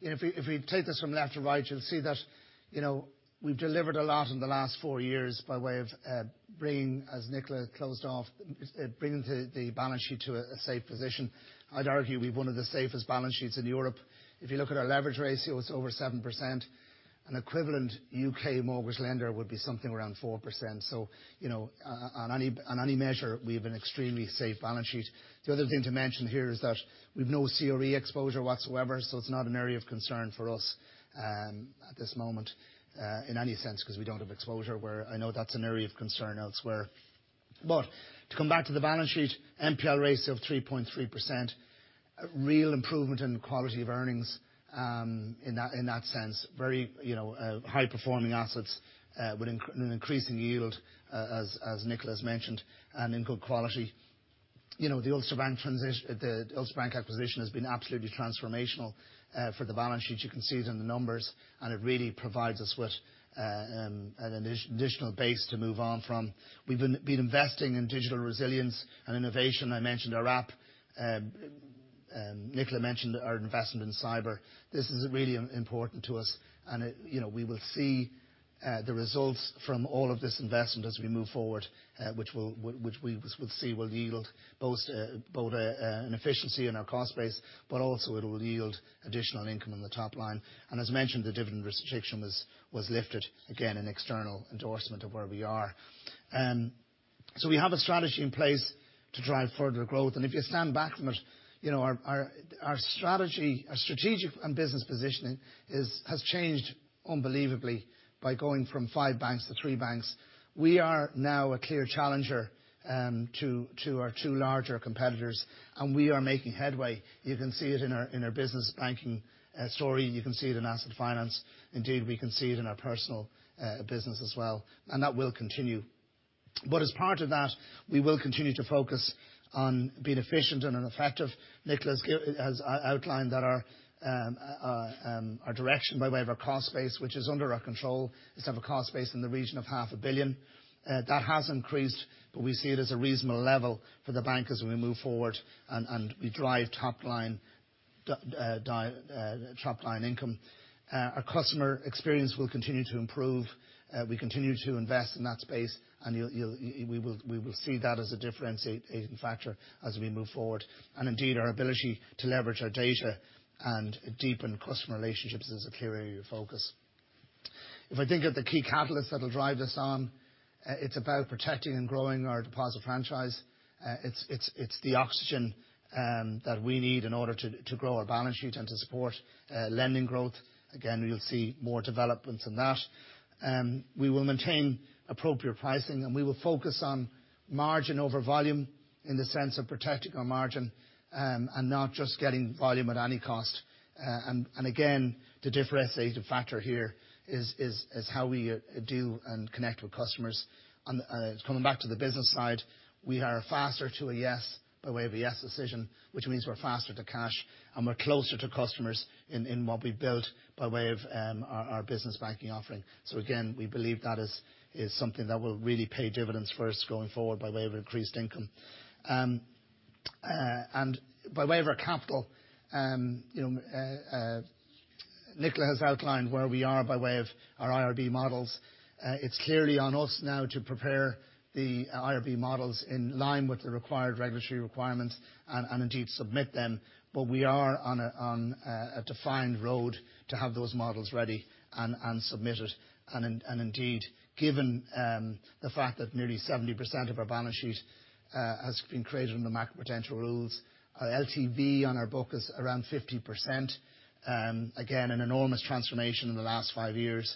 if we take this from left to right, you'll see that we've delivered a lot in the last 4 years by way of bringing, as Nicola closed off, bringing the balance sheet to a safe position. I'd argue we've one of the safest balance sheets in Europe. If you look at our leverage ratio, it's over 7%. An equivalent UK mortgage lender would be something around 4%. So on any measure, we have an extremely safe balance sheet. The other thing to mention here is that we've no CRE exposure whatsoever, so it's not an area of concern for us at this moment in any sense because we don't have exposure, where I know that's an area of concern elsewhere. But to come back to the balance sheet, NPL ratio of 3.3%, real improvement in quality of earnings in that sense, very high-performing assets with an increasing yield, as Nicola has mentioned, and in good quality. The Ulster Bank acquisition has been absolutely transformational for the balance sheet. You can see it in the numbers, and it really provides us with an additional base to move on from. We've been investing in digital resilience and innovation. I mentioned our app. Nicola mentioned our investment in cyber. This is really important to us, and we will see the results from all of this investment as we move forward, which we will see will yield both an efficiency in our cost base but also it will yield additional income in the top line. And as mentioned, the dividend restriction was lifted, again, in external endorsement of where we are. We have a strategy in place to drive further growth. If you stand back from it, our strategy and business positioning has changed unbelievably by going from five banks to three banks. We are now a clear challenger to our two larger competitors, and we are making headway. You can see it in our business banking story. You can see it in asset finance. Indeed, we can see it in our personal business as well, and that will continue. But as part of that, we will continue to focus on being efficient and effective. Nicola has outlined our direction by way of our cost base, which is under our control. We still have a cost base in the region of 500 million. That has increased, but we see it as a reasonable level for the bank as we move forward and we drive top-line income. Our customer experience will continue to improve. We continue to invest in that space, and we will see that as a differentiating factor as we move forward. Indeed, our ability to leverage our data and deepen customer relationships is a clear area of focus. If I think of the key catalyst that'll drive this on, it's about protecting and growing our deposit franchise. It's the oxygen that we need in order to grow our balance sheet and to support lending growth. Again, you'll see more developments in that. We will maintain appropriate pricing, and we will focus on margin over volume in the sense of protecting our margin and not just getting volume at any cost. Again, the differentiating factor here is how we deal and connect with customers. Coming back to the business side, we are faster to a yes by way of a yes decision, which means we're faster to cash, and we're closer to customers in what we've built by way of our business banking offering. So again, we believe that is something that will really pay dividends first going forward by way of increased income. And by way of our capital, Nicola has outlined where we are by way of our IRB models. It's clearly on us now to prepare the IRB models in line with the required regulatory requirements and, indeed, submit them. But we are on a defined road to have those models ready and submitted. And indeed, given the fact that nearly 70% of our balance sheet has been created under macroprudential rules, our LTV on our book is around 50%. Again, an enormous transformation in the last five years.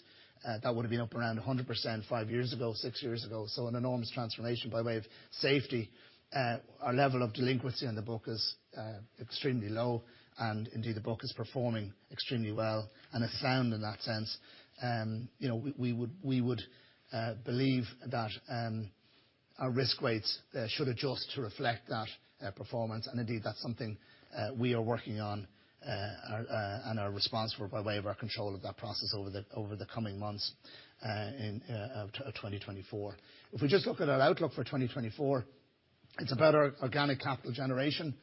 That would have been up around 100% 5 years ago, 6 years ago. So an enormous transformation by way of safety. Our level of delinquency on the book is extremely low, and indeed, the book is performing extremely well and is sound in that sense. We would believe that our risk weights should adjust to reflect that performance. And indeed, that's something we are working on and are responsible for by way of our control of that process over the coming months of 2024. If we just look at our outlook for 2024, it's about our organic capital generation.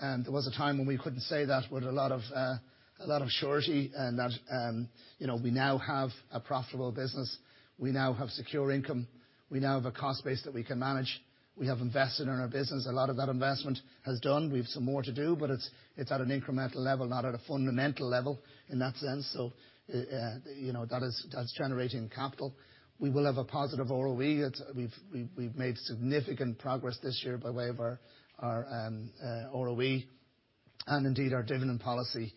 There was a time when we couldn't say that with a lot of surety and that we now have a profitable business. We now have secure income. We now have a cost base that we can manage. We have invested in our business. A lot of that investment has done. We have some more to do, but it's at an incremental level, not at a fundamental level in that sense. So that's generating capital. We will have a positive ROE. We've made significant progress this year by way of our ROE. And indeed, our dividend policy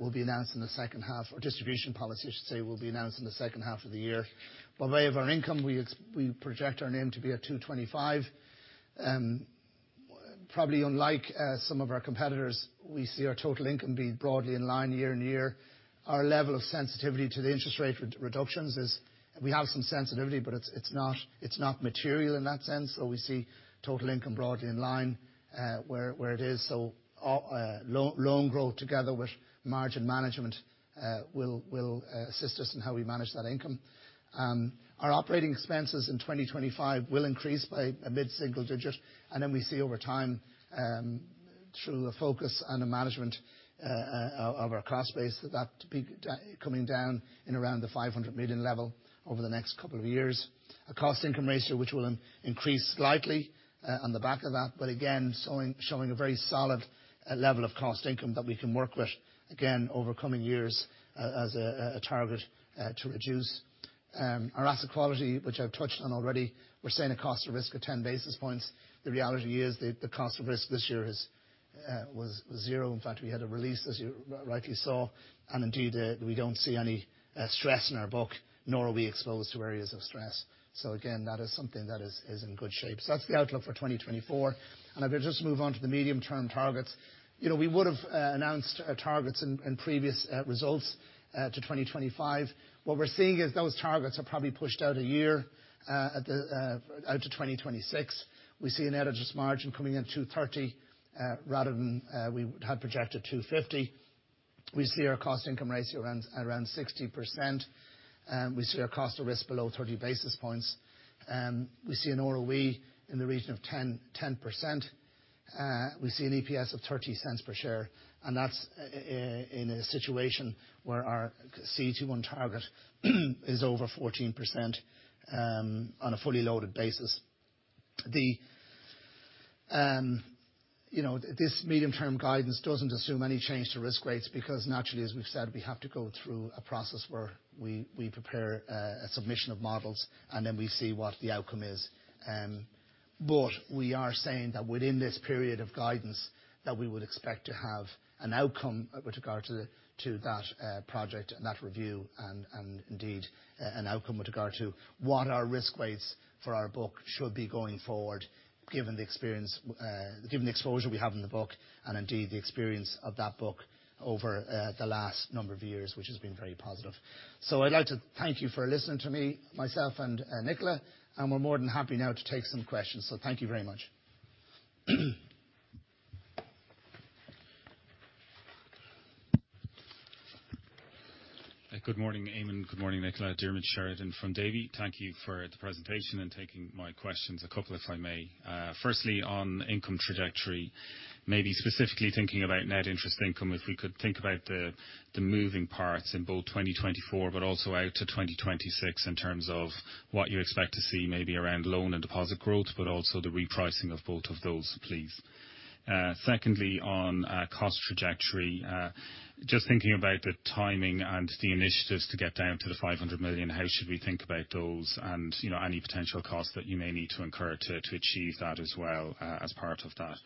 will be announced in the second half or distribution policy, I should say, will be announced in the second half of the year. By way of our income, we project our NIM to be at 225. Probably unlike some of our competitors, we see our total income be broadly in line year-on-year. Our level of sensitivity to the interest rate reductions is we have some sensitivity, but it's not material in that sense. So we see total income broadly in line where it is. So loan growth together with margin management will assist us in how we manage that income. Our operating expenses in 2025 will increase by a mid-single digit, and then we see over time through a focus and a management of our cost base that that will be coming down in around the 500 million level over the next couple of years. A cost income ratio which will increase slightly on the back of that, but again, showing a very solid level of cost income that we can work with, again, over coming years as a target to reduce. Our asset quality, which I've touched on already, we're seeing a cost of risk of 10 basis points. The reality is the cost of risk this year was zero. In fact, we had a release, as you rightly saw. And indeed, we don't see any stress in our book, nor are we exposed to areas of stress. So again, that is something that is in good shape. So that's the outlook for 2024. And if we just move on to the medium-term targets, we would have announced targets in previous results to 2025. What we're seeing is those targets are probably pushed out a year out to 2026. We see a NIM coming in at 230 rather than we had projected 250. We see our cost income ratio around 60%. We see our cost of risk below 30 basis points. We see an ROE in the region of 10%. We see an EPS of 0.30 per share. And that's in a situation where our CET1 target is over 14% on a fully loaded basis. This medium-term guidance doesn't assume any change to IRB rates because, naturally, as we've said, we have to go through a process where we prepare a submission of models, and then we see what the outcome is. But we are saying that within this period of guidance that we would expect to have an outcome with regard to that project and that review and, indeed, an outcome with regard to what our risk weights for our book should be going forward given the experience given the exposure we have in the book and, indeed, the experience of that book over the last number of years, which has been very positive. So I'd like to thank you for listening to me, myself, and Nicola. We're more than happy now to take some questions. So thank you very much. Good morning, Eamonn and good morning, Nicola. Diarmaid Sheridan from Davy. Thank you for the presentation and taking my questions, a couple if I may. Firstly, on income trajectory, maybe specifically thinking about net interest income, if we could think about the moving parts in both 2024 but also out to 2026 in terms of what you expect to see maybe around loan and deposit growth, but also the repricing of both of those, please. Secondly, on cost trajectory, just thinking about the timing and the initiatives to get down to the 500 million, how should we think about those and any potential costs that you may need to incur to achieve that as well as part of that?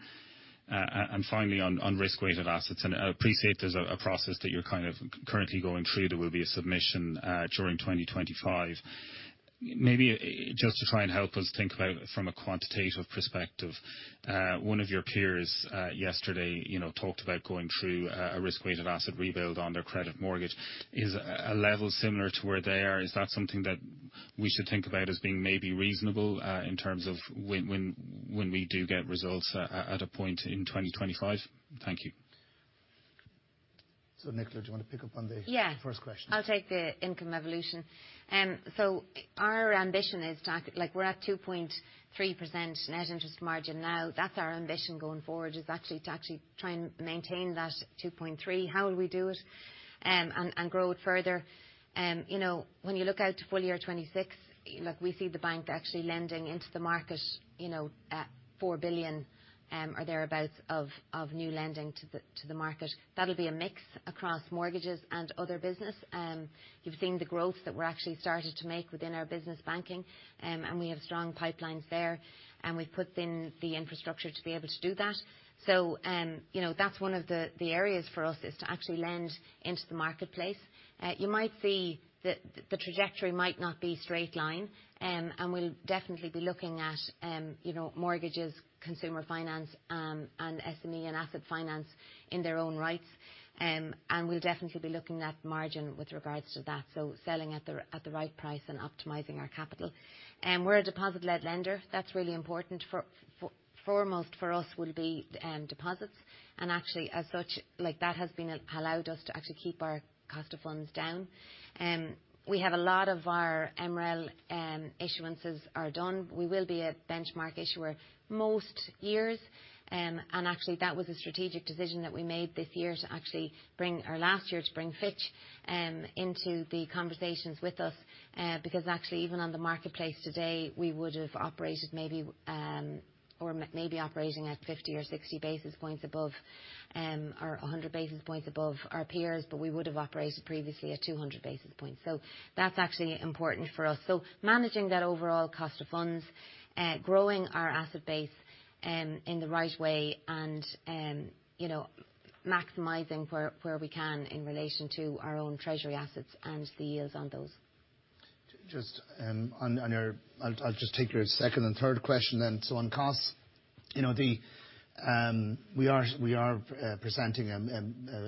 And finally, on risk-weighted assets, and I appreciate there's a process that you're kind of currently going through. There will be a submission during 2025. Maybe just to try and help us think about it from a quantitative perspective, one of your peers yesterday talked about going through a risk-weighted asset rebuild on their credit mortgage. Is a level similar to where they are? Is that something that we should think about as being maybe reasonable in terms of when we do get results at a point in 2025? Thank you. So Nicola, do you want to pick up on the first question? Yeah. I'll take the income evolution. So our ambition is to we're at 2.3% net interest margin now. That's our ambition going forward, is actually to try and maintain that 2.3. How will we do it and grow it further? When you look out to full year 2026, we see the bank actually lending into the market 4 billion or thereabouts of new lending to the market. That'll be a mix across mortgages and other business. You've seen the growth that we're actually starting to make within our business banking, and we have strong pipelines there, and we've put in the infrastructure to be able to do that. So that's one of the areas for us, is to actually lend into the marketplace. You might see that the trajectory might not be straight line, and we'll definitely be looking at mortgages, consumer finance, and SME and asset finance in their own rights. We'll definitely be looking at margin with regards to that, so selling at the right price and optimizing our capital. We're a deposit-led lender. That's really important. Foremost for us will be deposits. Actually, as such, that has allowed us to actually keep our cost of funds down. We have a lot of our MREL issuances are done. We will be a benchmark issuer most years. Actually, that was a strategic decision that we made this year to actually bring our last year to bring Fitch into the conversations with us because actually, even on the marketplace today, we would have operated maybe or maybe operating at 50 or 60 basis points above or 100 basis points above our peers, but we would have operated previously at 200 basis points. So that's actually important for us. So managing that overall cost of funds, growing our asset base in the right way, and maximizing where we can in relation to our own treasury assets and the yields on those. I'll just take your second and third question then. So on costs, we are presenting a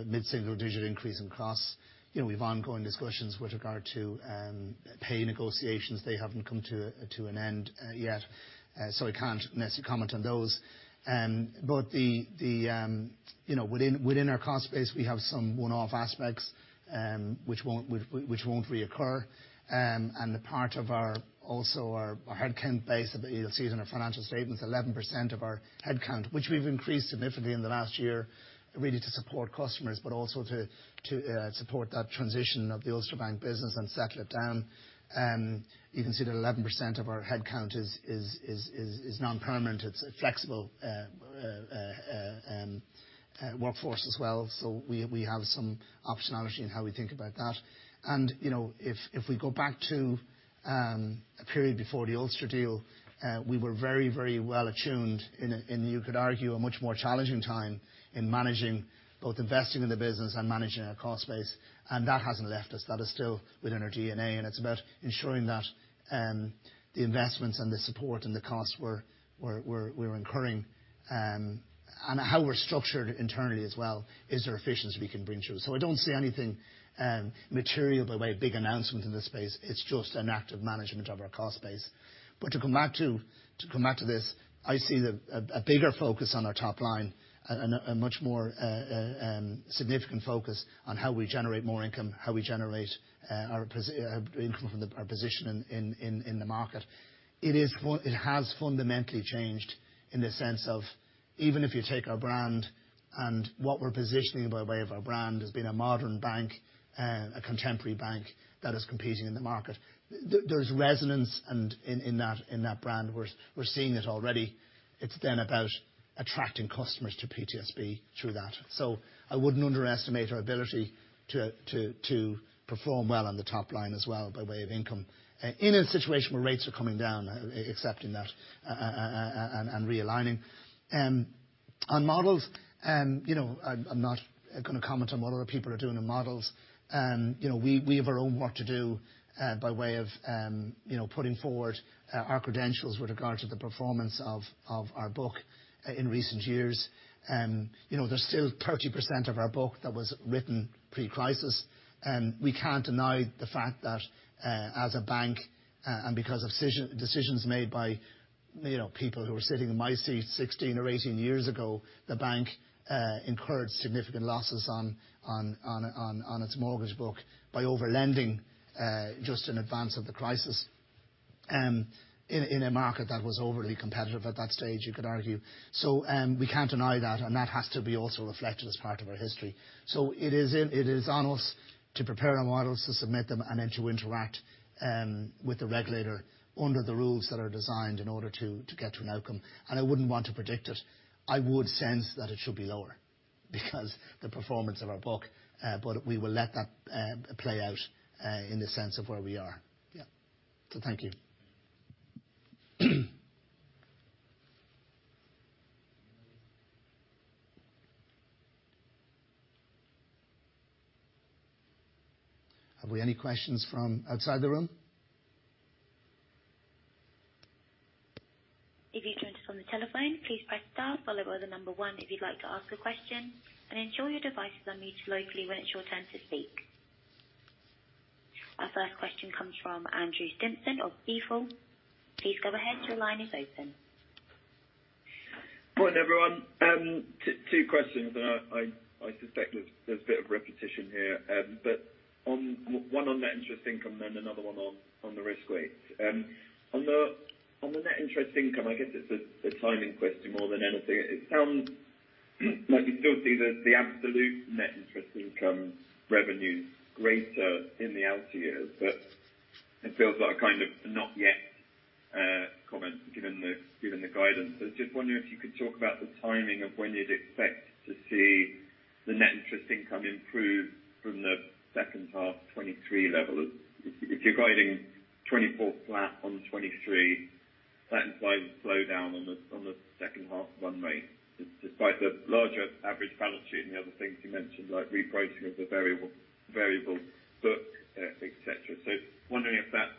mid-single digit increase in costs. We have ongoing discussions with regard to pay negotiations. They haven't come to an end yet, so I can't necessarily comment on those. But within our cost base, we have some one-off aspects which won't reoccur. And part of also our headcount base, you'll see it in our financial statements, 11% of our headcount, which we've increased significantly in the last year, really to support customers but also to support that transition of the Ulster Bank business and settle it down. You can see that 11% of our headcount is non-permanent. It's a flexible workforce as well. So we have some optionality in how we think about that. If we go back to a period before the Ulster deal, we were very, very well attuned in, you could argue, a much more challenging time in managing both investing in the business and managing our cost base. That hasn't left us. That is still within our DNA. It's about ensuring that the investments and the support and the costs we're incurring and how we're structured internally as well is there efficiency we can bring through. I don't see anything material by way of big announcement in this space. It's just an act of management of our cost base. To come back to this, I see a bigger focus on our top line, a much more significant focus on how we generate more income, how we generate income from our position in the market. It has fundamentally changed in the sense of even if you take our brand and what we're positioning by way of our brand as being a modern bank, a contemporary bank that is competing in the market, there's resonance in that brand. We're seeing it already. It's then about attracting customers to PTSB through that. So I wouldn't underestimate our ability to perform well on the top line as well by way of income in a situation where rates are coming down, accepting that, and realigning. On models, I'm not going to comment on what other people are doing in models. We have our own work to do by way of putting forward our credentials with regard to the performance of our book in recent years. There's still 30% of our book that was written pre-crisis. We can't deny the fact that as a bank and because of decisions made by people who were sitting in my seat 16 or 18 years ago, the bank incurred significant losses on its mortgage book by overlending just in advance of the crisis in a market that was overly competitive at that stage, you could argue. So we can't deny that, and that has to be also reflected as part of our history. So it is on us to prepare our models, to submit them, and then to interact with the regulator under the rules that are designed in order to get to an outcome. And I wouldn't want to predict it. I would sense that it should be lower because the performance of our book. But we will let that play out in the sense of where we are. Yeah. So thank you. Have we any questions from outside the room? If you join us on the telephone, please press star followed by the number one if you'd like to ask a question. Ensure your device is unmuted locally when it's your turn to speak. Our first question comes from Andrew Stimpson of Keefe, Bruyette & Woods. Please go ahead. Your line is open. Morning, everyone. Two questions. I suspect there's a bit of repetition here. One on net interest income and then another one on the risk weights. On the net interest income, I guess it's a timing question more than anything. It sounds like you still see the absolute net interest income revenues greater in the outer years, but it feels like a kind of not-yet comment given the guidance. I was just wondering if you could talk about the timing of when you'd expect to see the net interest income improve from the second-half 2023 level. If you're guiding 2024 flat on 2023, that implies a slowdown on the second-half run rate despite the larger average balance sheet and the other things you mentioned like repricing of the variable book, etc. Wondering if that's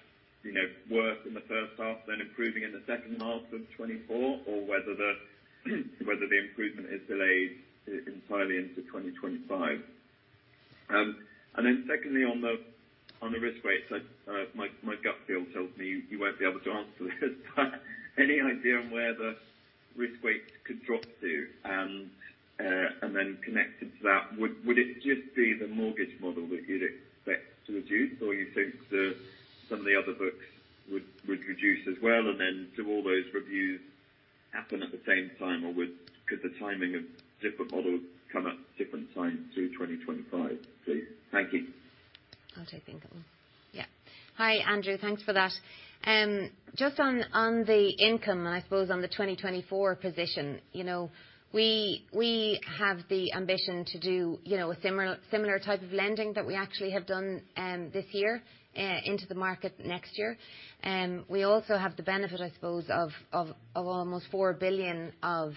worse in the first half than improving in the second half of 2024 or whether the improvement is delayed entirely into 2025. Then secondly, on the risk weights, my gut feel tells me you won't be able to answer this, but any idea on where the risk weights could drop to and then connected to that, would it just be the mortgage model that you'd expect to reduce, or do you think some of the other books would reduce as well and then do all those reviews happen at the same time, or could the timing of different models come at different times through 2025? Please. Thank you. I'll take the income. Yeah. Hi, Andrew. Thanks for that. Just on the income and I suppose on the 2024 position, we have the ambition to do a similar type of lending that we actually have done this year into the market next year. We also have the benefit, I suppose, of almost 4 billion of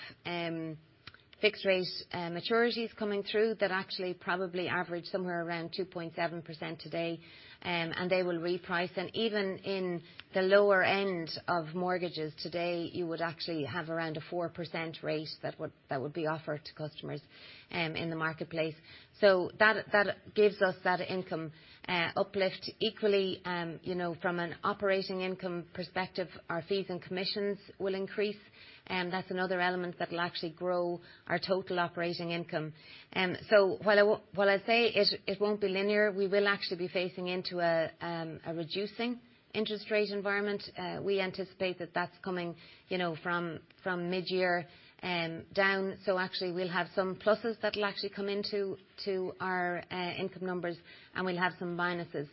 fixed-rate maturities coming through that actually probably average somewhere around 2.7% today, and they will reprice. And even in the lower end of mortgages today, you would actually have around a 4% rate that would be offered to customers in the marketplace. So that gives us that income uplift equally. From an operating income perspective, our fees and commissions will increase. That's another element that'll actually grow our total operating income. So while I say it won't be linear, we will actually be facing into a reducing interest rate environment. We anticipate that that's coming from mid-year down. So actually, we'll have some pluses that'll actually come into our income numbers, and we'll have some minuses.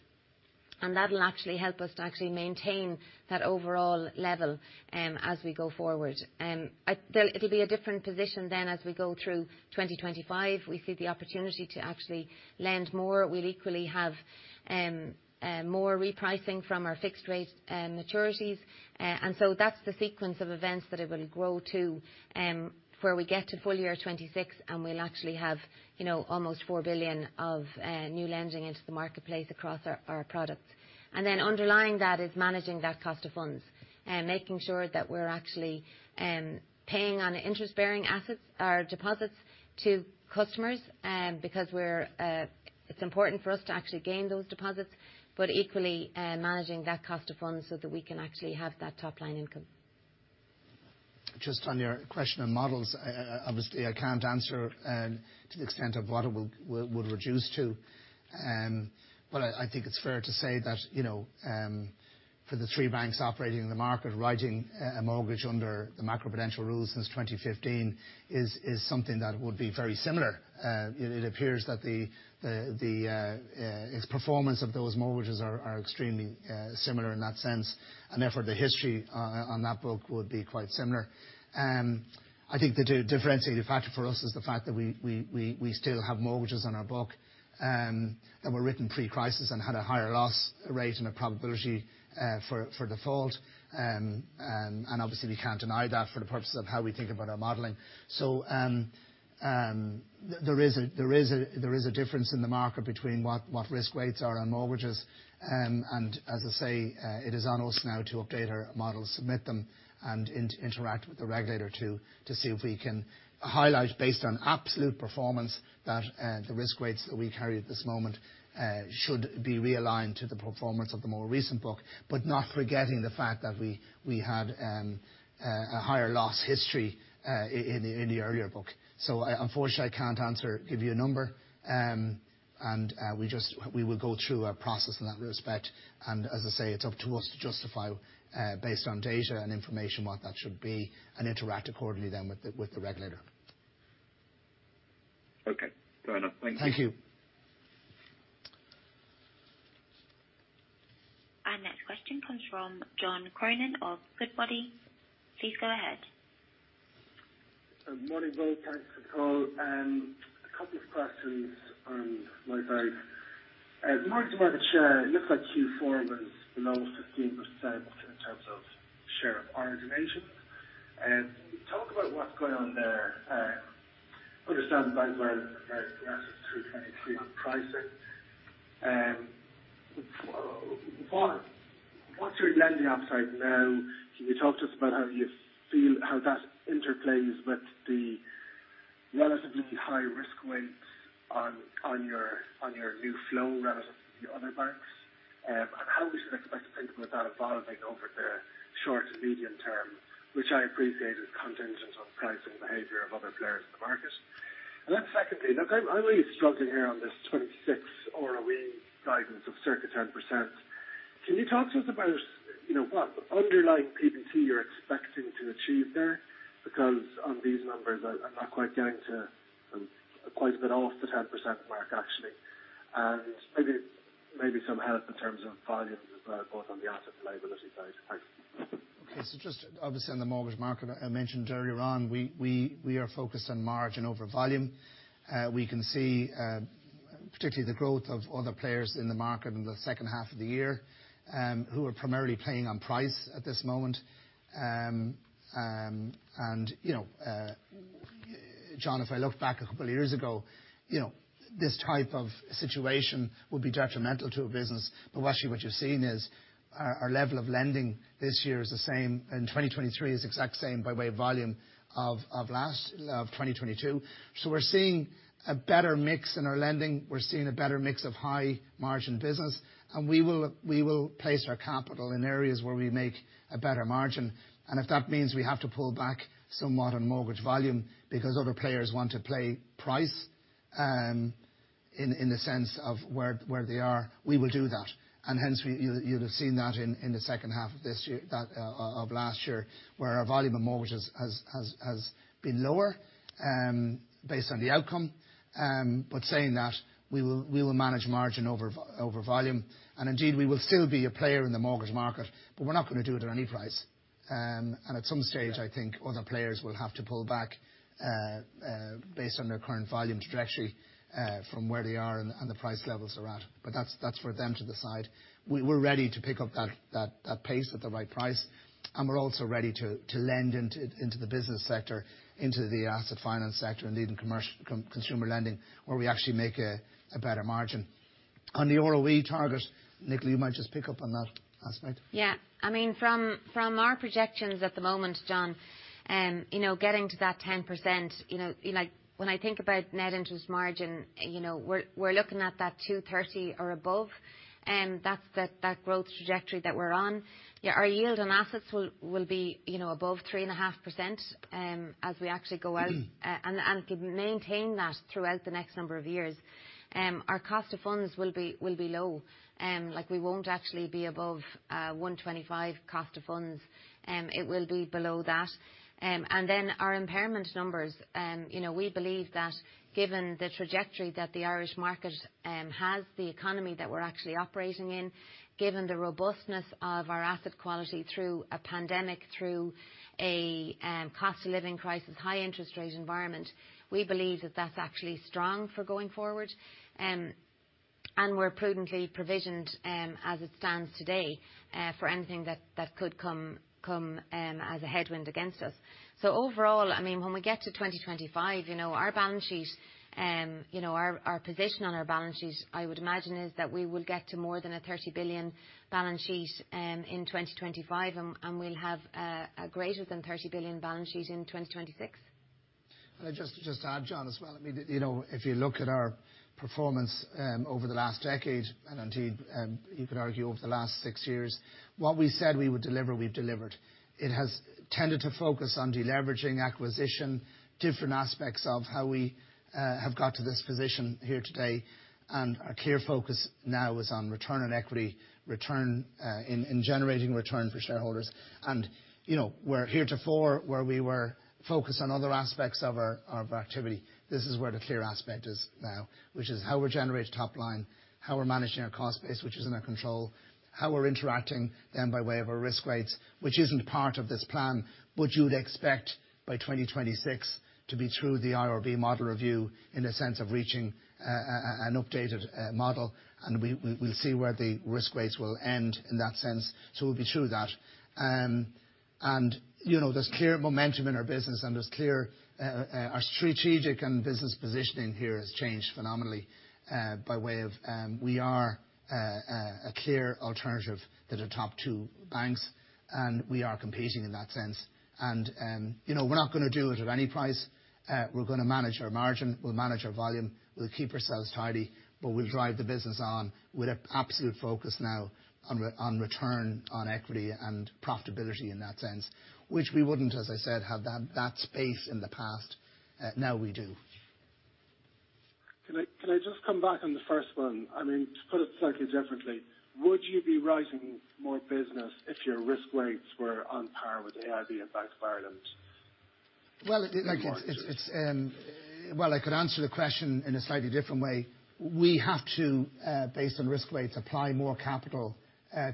And that'll actually help us to actually maintain that overall level as we go forward. It'll be a different position then as we go through 2025. We see the opportunity to actually lend more. We'll equally have more repricing from our fixed-rate maturities. And so that's the sequence of events that it will grow to where we get to full year 2026, and we'll actually have almost 4 billion of new lending into the marketplace across our product. And then underlying that is managing that cost of funds, making sure that we're actually paying on interest-bearing assets, our deposits, to customers because it's important for us to actually gain those deposits, but equally managing that cost of funds so that we can actually have that top-line income. Just on your question on models, obviously, I can't answer to the extent of what it would reduce to. But I think it's fair to say that for the three banks operating in the market, writing a mortgage under the Macroprudential rules since 2015 is something that would be very similar. It appears that its performance of those mortgages are extremely similar in that sense. And therefore, the history on that book would be quite similar. I think the differentiating factor for us is the fact that we still have mortgages on our book that were written pre-crisis and had a higher loss rate and a probability for default. And obviously, we can't deny that for the purposes of how we think about our modeling. So there is a difference in the market between what risk weights are on mortgages. And as I say, it is on us now to update our models, submit them, and interact with the regulator to see if we can highlight based on absolute performance that the risk weights that we carry at this moment should be realigned to the performance of the more recent book but not forgetting the fact that we had a higher loss history in the earlier book. So unfortunately, I can't give you a number. And as I say, it's up to us to justify based on data and information what that should be and interact accordingly then with the regulator. Okay. Fair enough. Thank you. Thank you. Our next question comes from John Cronin of Goodbody. Please go ahead. Morning, Bill. Thanks for the call. A couple of questions on my side. Morning to market share. It looks like Q4 was below 15% in terms of share of our originations. Talk about what's going on there. Understand the bank's rather progressive through 2023 on pricing. What's your lending appetite now? Can you talk to us about how that interplays with the relatively high risk weights on your new flow relative to the other banks and how we should expect to think about that evolving over the short and medium term, which I appreciate as contingent on pricing behavior of other players in the market? And then secondly, look, I'm really struggling here on this 2026 ROE guidance of circa 10%. Can you talk to us about what underlying PBT you're expecting to achieve there? Because on these numbers, I'm not quite getting to. I'm quite a bit off the 10% mark, actually. And maybe some help in terms of volumes as well, both on the asset and liability side. Thanks. Okay. So just obviously, on the mortgage market, I mentioned earlier on, we are focused on margin over volume. We can see particularly the growth of other players in the market in the second half of the year who are primarily playing on price at this moment. And John, if I looked back a couple of years ago, this type of situation would be detrimental to a business. But actually, what you've seen is our level of lending this year is the same in 2023, is the exact same by way of volume of 2022. So we're seeing a better mix in our lending. We're seeing a better mix of high-margin business. And we will place our capital in areas where we make a better margin. If that means we have to pull back somewhat on mortgage volume because other players want to play price in the sense of where they are, we will do that. Hence, you'll have seen that in the second half of last year where our volume of mortgages has been lower based on the outcome. Saying that, we will manage margin over volume. Indeed, we will still be a player in the mortgage market, but we're not going to do it at any price. At some stage, I think other players will have to pull back based on their current volume trajectory from where they are and the price levels are at. That's for them to decide. We're ready to pick up that pace at the right price. We're also ready to lend into the business sector, into the asset finance sector, and lead in consumer lending where we actually make a better margin. On the ROE target, Nicola, you might just pick up on that aspect. Yeah. I mean, from our projections at the moment, John, getting to that 10%, when I think about net interest margin, we're looking at that 230 or above. That's that growth trajectory that we're on. Our yield on assets will be above 3.5% as we actually go out and can maintain that throughout the next number of years. Our cost of funds will be low. We won't actually be above 125 cost of funds. It will be below that. And then our impairment numbers, we believe that given the trajectory that the Irish market has, the economy that we're actually operating in, given the robustness of our asset quality through a pandemic, through a cost-of-living crisis, high-interest-rate environment, we believe that that's actually strong for going forward. And we're prudently provisioned as it stands today for anything that could come as a headwind against us. Overall, I mean, when we get to 2025, our balance sheet, our position on our balance sheet, I would imagine is that we will get to more than a 30 billion balance sheet in 2025, and we'll have a greater than 30 billion balance sheet in 2026. And just to add, John, as well, I mean, if you look at our performance over the last decade, and indeed, you could argue over the last six years, what we said we would deliver, we've delivered. It has tended to focus on deleveraging, acquisition, different aspects of how we have got to this position here today. And our clear focus now is on return on equity, in generating return for shareholders. And we're heretofore where we were focused on other aspects of our activity. This is where the clear aspect is now, which is how we're generating top-line, how we're managing our cost base, which is in our control, how we're interacting then by way of our risk weights, which isn't part of this plan, but you'd expect by 2026 to be through the IRB model review in the sense of reaching an updated model. We'll see where the risk weights will end in that sense. So we'll be through that. There's clear momentum in our business, and our strategic and business positioning here has changed phenomenally by way of we are a clear alternative to the top two banks, and we are competing in that sense. We're not going to do it at any price. We're going to manage our margin. We'll manage our volume. We'll keep ourselves tidy, but we'll drive the business on with an absolute focus now on return on equity and profitability in that sense, which we wouldn't, as I said, have that space in the past. Now we do. Can I just come back on the first one? I mean, to put it slightly differently, would you be writing more business if your risk weights were on par with AIB and Bank of Ireland? Well, I could answer the question in a slightly different way. We have to, based on risk weights, apply more capital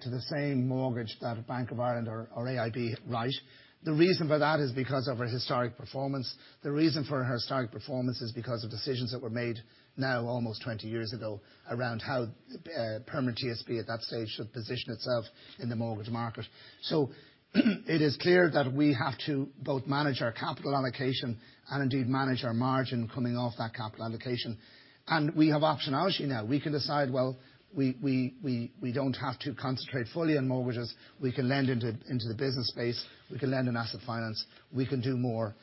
to the same mortgage that Bank of Ireland or AIB write. The reason for that is because of our historic performance. The reason for our historic performance is because of decisions that were made now almost 20 years ago around how Permanent TSB at that stage should position itself in the mortgage market. So it is clear that we have to both manage our capital allocation and indeed manage our margin coming off that capital allocation. And we have optionality now. We can decide, "Well, we don't have to concentrate fully on mortgages. We can lend into the business space. We can lend in asset finance. We can do more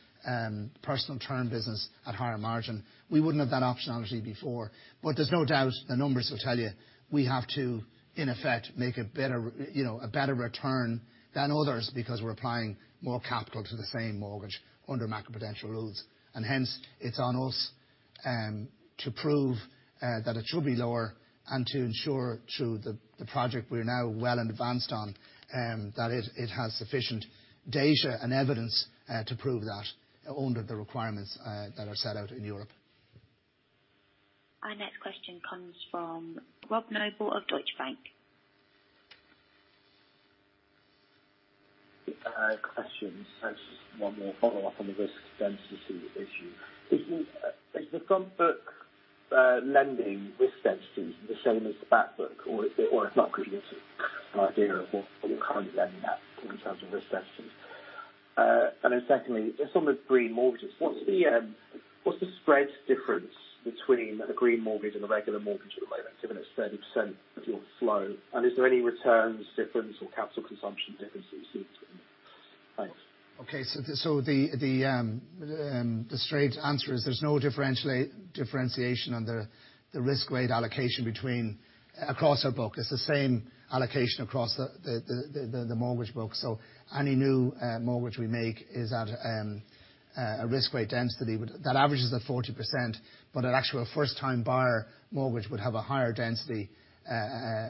personal term business at higher margin." We wouldn't have that optionality before. But there's no doubt the numbers will tell you we have to, in effect, make a better return than others because we're applying more capital to the same mortgage under Macroprudential Rules. And hence, it's on us to prove that it should be lower and to ensure through the project we're now well in advance on that it has sufficient data and evidence to prove that under the requirements that are set out in Europe. Our next question comes from Robert Noble of Deutsche Bank. Questions. That's just one more follow-up on the risk density issue. Is the front-book lending risk densities the same as the back-book, or is it not? Give me an idea of what we're currently lending at in terms of risk densities. And then secondly, just on the green mortgages, what's the spread difference between a green mortgage and a regular mortgage at the moment, given it's 30% of your flow? And is there any returns difference or capital consumption difference that you see? Thanks. Okay. So the straight answer is there's no differentiation on the risk weight allocation across our book. It's the same allocation across the mortgage book. So any new mortgage we make is at a risk weight density. That averages at 40%. But an actual first-time buyer mortgage would have a higher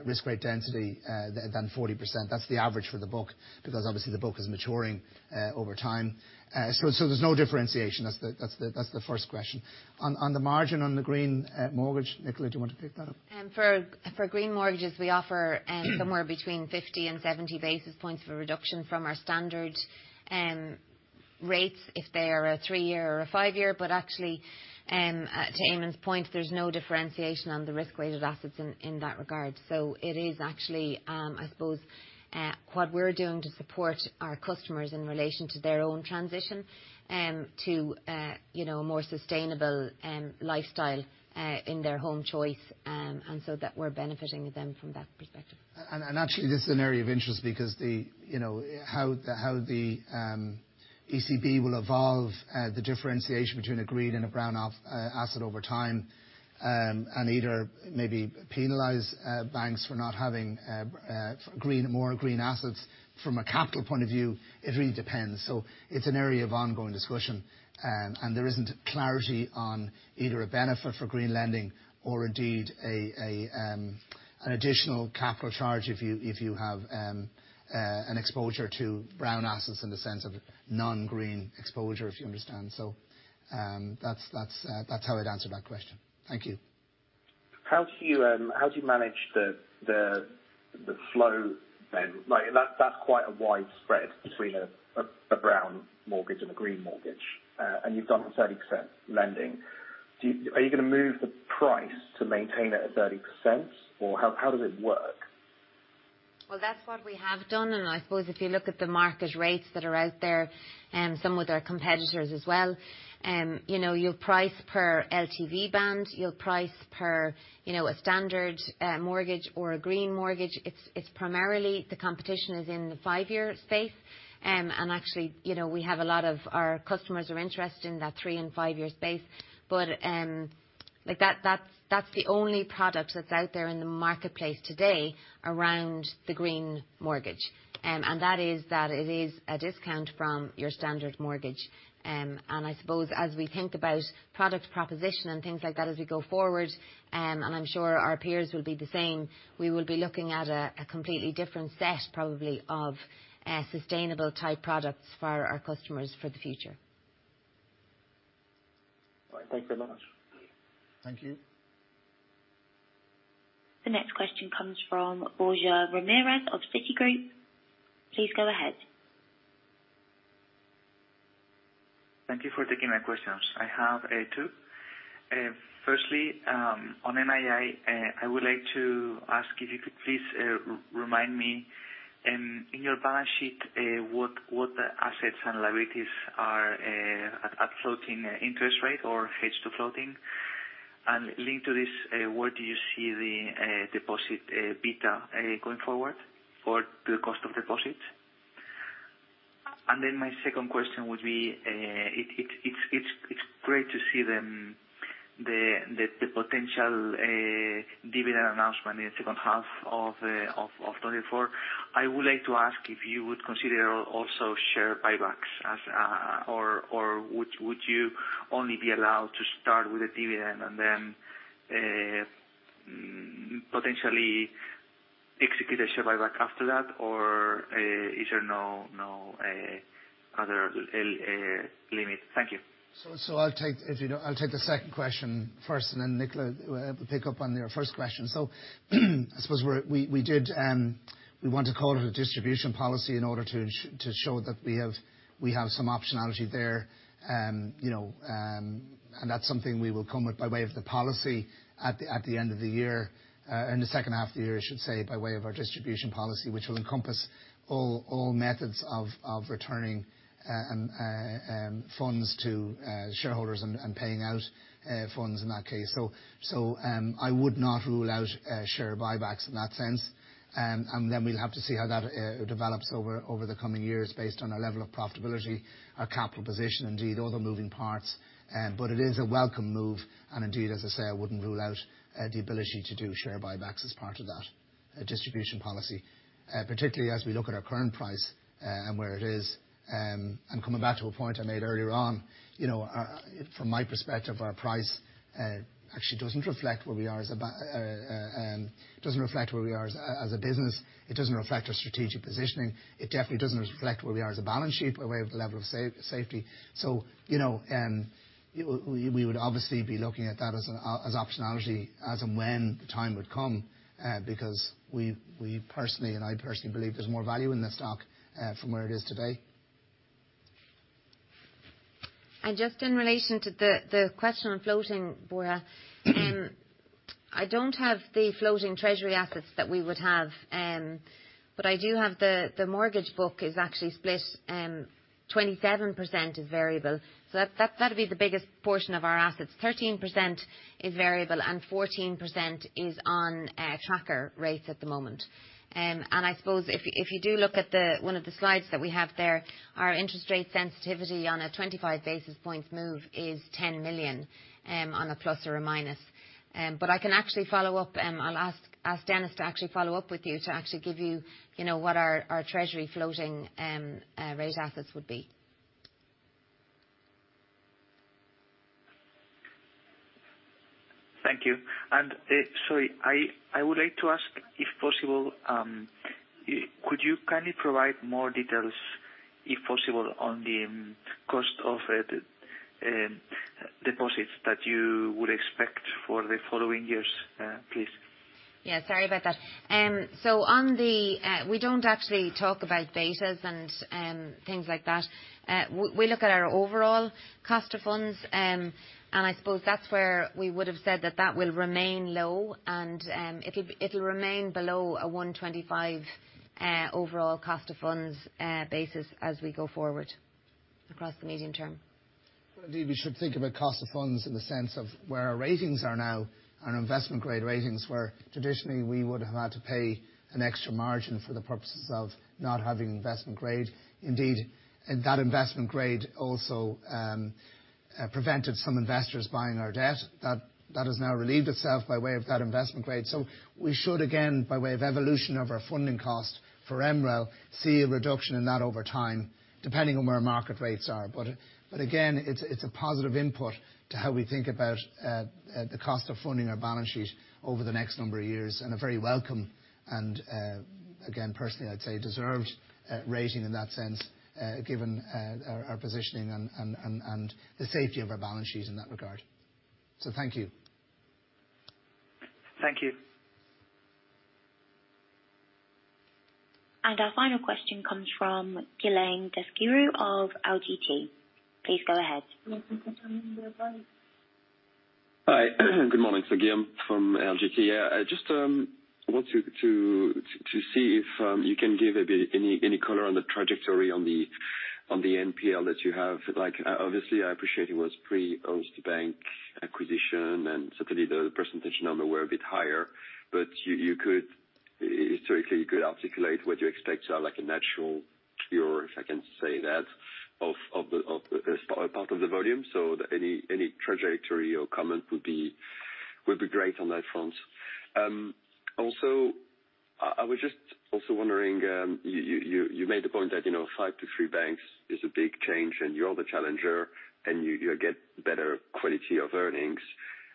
risk weight density than 40%. That's the average for the book because obviously, the book is maturing over time. So there's no differentiation. That's the first question. On the margin on the green mortgage, Nicola, do you want to pick that up? For green mortgages, we offer somewhere between 50 and 70 basis points of a reduction from our standard rates if they are a 3-year or a 5-year. But actually, to Eamonn's point, there's no differentiation on the risk-weighted assets in that regard. So it is actually, I suppose, what we're doing to support our customers in relation to their own transition to a more sustainable lifestyle in their home choice and so that we're benefiting them from that perspective. Actually, this is an area of interest because how the ECB will evolve the differentiation between a green and a brown asset over time and either maybe penalize banks for not having more green assets from a capital point of view, it really depends. It's an area of ongoing discussion. There isn't clarity on either a benefit for green lending or indeed an additional capital charge if you have an exposure to brown assets in the sense of non-green exposure, if you understand. That's how I'd answer that question. Thank you. How do you manage the flow then? That's quite a wide spread between a brown mortgage and a green mortgage. You've done 30% lending. Are you going to move the price to maintain it at 30%, or how does it work? Well, that's what we have done. I suppose if you look at the market rates that are out there, some with our competitors as well, you'll price per LTV band. You'll price per a standard mortgage or a green mortgage. The competition is in the 5-year space. And actually, we have a lot of our customers are interested in that 3- and 5-year space. But that's the only product that's out there in the marketplace today around the green mortgage. And that is that it is a discount from your standard mortgage. And I suppose as we think about product proposition and things like that as we go forward, and I'm sure our peers will be the same, we will be looking at a completely different set probably of sustainable-type products for our customers for the future. All right. Thank you very much. Thank you. The next question comes from Borja Ramirez of Citigroup. Please go ahead. Thank you for taking my questions. I have two. Firstly, on NII, I would like to ask if you could please remind me in your balance sheet what the assets and liabilities are at floating interest rate or H2 floating. And linked to this, where do you see the deposit beta going forward for the cost of deposit? And then my second question would be, it's great to see the potential dividend announcement in the second half of 2024. I would like to ask if you would consider also share buybacks, or would you only be allowed to start with a dividend and then potentially execute a share buyback after that, or is there no other limit? Thank you. So I'll take if you don't, I'll take the second question first, and then Nicola will pick up on your first question. So I suppose we want to call it a distribution policy in order to show that we have some optionality there. And that's something we will come with by way of the policy at the end of the year in the second half of the year, I should say, by way of our distribution policy, which will encompass all methods of returning funds to shareholders and paying out funds in that case. So I would not rule out share buybacks in that sense. And then we'll have to see how that develops over the coming years based on our level of profitability, our capital position, indeed, all the moving parts. But it is a welcome move. Indeed, as I say, I wouldn't rule out the ability to do share buybacks as part of that distribution policy, particularly as we look at our current price and where it is. Coming back to a point I made earlier on, from my perspective, our price actually doesn't reflect where we are as a business. It doesn't reflect our strategic positioning. It definitely doesn't reflect where we are as a balance sheet by way of the level of safety. We would obviously be looking at that as optionality as and when the time would come because we personally and I personally believe there's more value in the stock from where it is today. And just in relation to the question on floating, Borja, I don't have the floating treasury assets that we would have. But I do have the mortgage book is actually split. 27% is variable. So that would be the biggest portion of our assets. 13% is variable, and 14% is on tracker rates at the moment. And I suppose if you do look at one of the slides that we have there, our interest rate sensitivity on a 25 basis point move is 10 million on a plus or a minus. But I can actually follow up. I'll ask Denis to actually follow up with you to actually give you what our treasury floating rate assets would be. Thank you. Sorry, I would like to ask, if possible, could you kindly provide more details, if possible, on the cost of deposits that you would expect for the following years, please? Yeah. Sorry about that. So we don't actually talk about bases and things like that. We look at our overall cost of funds. And I suppose that's where we would have said that that will remain low. And it'll remain below a 125 overall cost of funds basis as we go forward across the medium term. Indeed, we should think about cost of funds in the sense of where our ratings are now, our investment-grade ratings, where traditionally, we would have had to pay an extra margin for the purposes of not having investment grade. Indeed, that investment grade also prevented some investors buying our debt. That has now relieved itself by way of that investment grade. So we should, again, by way of evolution of our funding cost for MREL, see a reduction in that over time, depending on where market rates are. But again, it's a positive input to how we think about the cost of funding our balance sheet over the next number of years and a very welcome and, again, personally, I'd say, deserved rating in that sense, given our positioning and the safety of our balance sheet in that regard. So thank you. Thank you. Our final question comes from Guillaume Tiberghien of Exane BNP Paribas. Please go ahead. Hi. Good morning, Guillaume Tiberghien from Exane BNP Paribas. Yeah, I just want to see if you can give any color on the trajectory on the NPL that you have. Obviously, I appreciate it was pre-Ulster Bank acquisition, and certainly, the percentage number were a bit higher. But historically, you could articulate what you expect to have a natural cure, if I can say that, of a part of the volume. So any trajectory or comment would be great on that front. Also, I was just also wondering, you made the point that 5 to 3 banks is a big change, and you're the challenger, and you get better quality of earnings.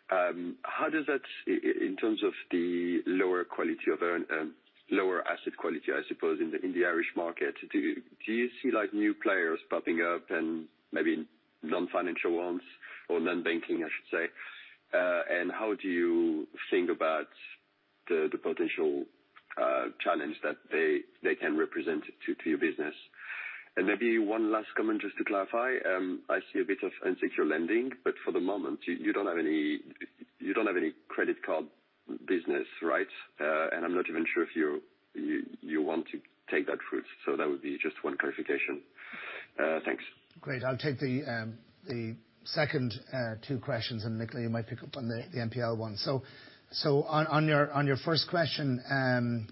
How does that, in terms of the lower quality of lower asset quality, I suppose, in the Irish market, do you see new players popping up, and maybe non-financial ones or non-banking, I should say? And how do you think about the potential challenge that they can represent to your business? And maybe one last comment just to clarify. I see a bit of unsecured lending, but for the moment, you don't have any credit card business, right? And I'm not even sure if you want to take that route. So that would be just one clarification. Thanks. Great. I'll take the second two questions. And Nicola, you might pick up on the NPL one. So on your first question,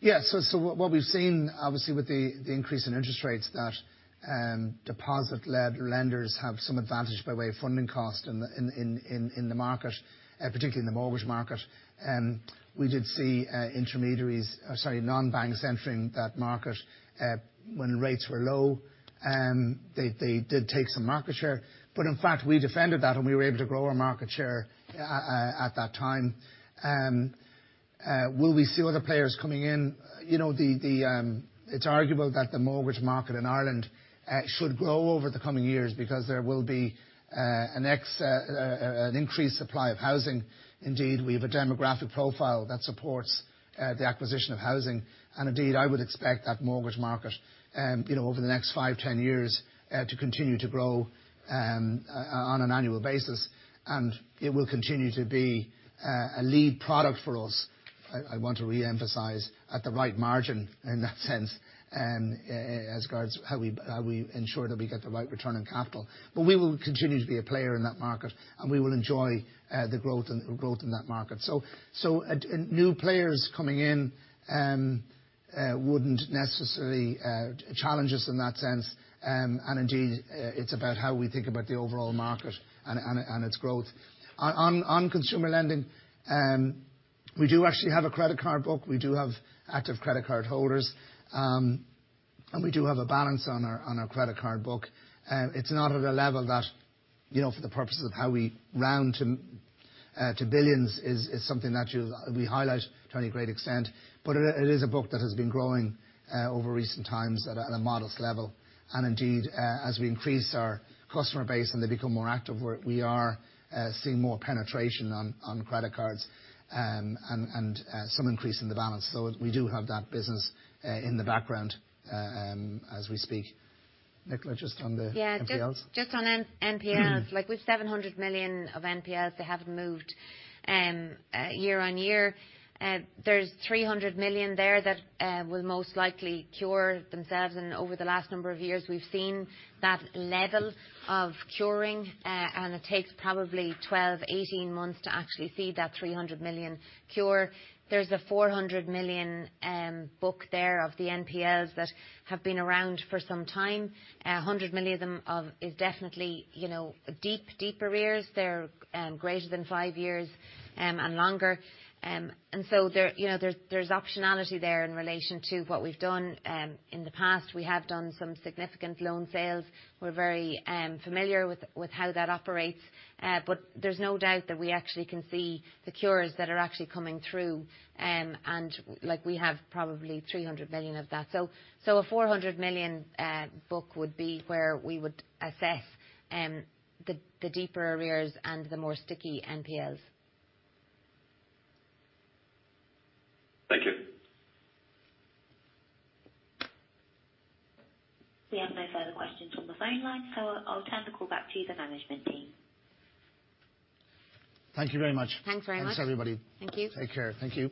yeah, so what we've seen, obviously, with the increase in interest rates, that deposit-led lenders have some advantage by way of funding cost in the market, particularly in the mortgage market. We did see intermediaries or sorry, non-banks entering that market when rates were low. They did take some market share. But in fact, we defended that, and we were able to grow our market share at that time. Will we see other players coming in? It's arguable that the mortgage market in Ireland should grow over the coming years because there will be an increased supply of housing. Indeed, we have a demographic profile that supports the acquisition of housing. And indeed, I would expect that mortgage market over the next 5, 10 years to continue to grow on an annual basis. And it will continue to be a lead product for us, I want to reemphasize, at the right margin in that sense as regards to how we ensure that we get the right return on capital. But we will continue to be a player in that market, and we will enjoy the growth in that market. So new players coming in wouldn't necessarily challenge us in that sense. And indeed, it's about how we think about the overall market and its growth. On consumer lending, we do actually have a credit card book. We do have active credit card holders. And we do have a balance on our credit card book. It's not at a level that, for the purposes of how we round to billions, is something that we highlight to any great extent. But it is a book that has been growing over recent times at a modest level. And indeed, as we increase our customer base and they become more active, we are seeing more penetration on credit cards and some increase in the balance. So we do have that business in the background as we speak. Nicola, just on the NPLs? Yeah. Just on NPLs. We've 700 million of NPLs. They haven't moved year on year. There's 300 million there that will most likely cure themselves. And over the last number of years, we've seen that level of curing. And it takes probably 12-18 months to actually see that 300 million cure. There's a 400 million book there of the NPLs that have been around for some time. 100 million of them is definitely deep, deeper years. They're greater than five years and longer. And so there's optionality there in relation to what we've done in the past. We have done some significant loan sales. We're very familiar with how that operates. But there's no doubt that we actually can see the cures that are actually coming through. And we have probably 300 million of that. So a 400 million book would be where we would assess the deeper years and the more sticky NPLs. Thank you. We have no further questions on the phone line. So I'll turn the call back to the management team. Thank you very much. Thanks very much. Thanks, everybody. Thank you. Take care. Thank you.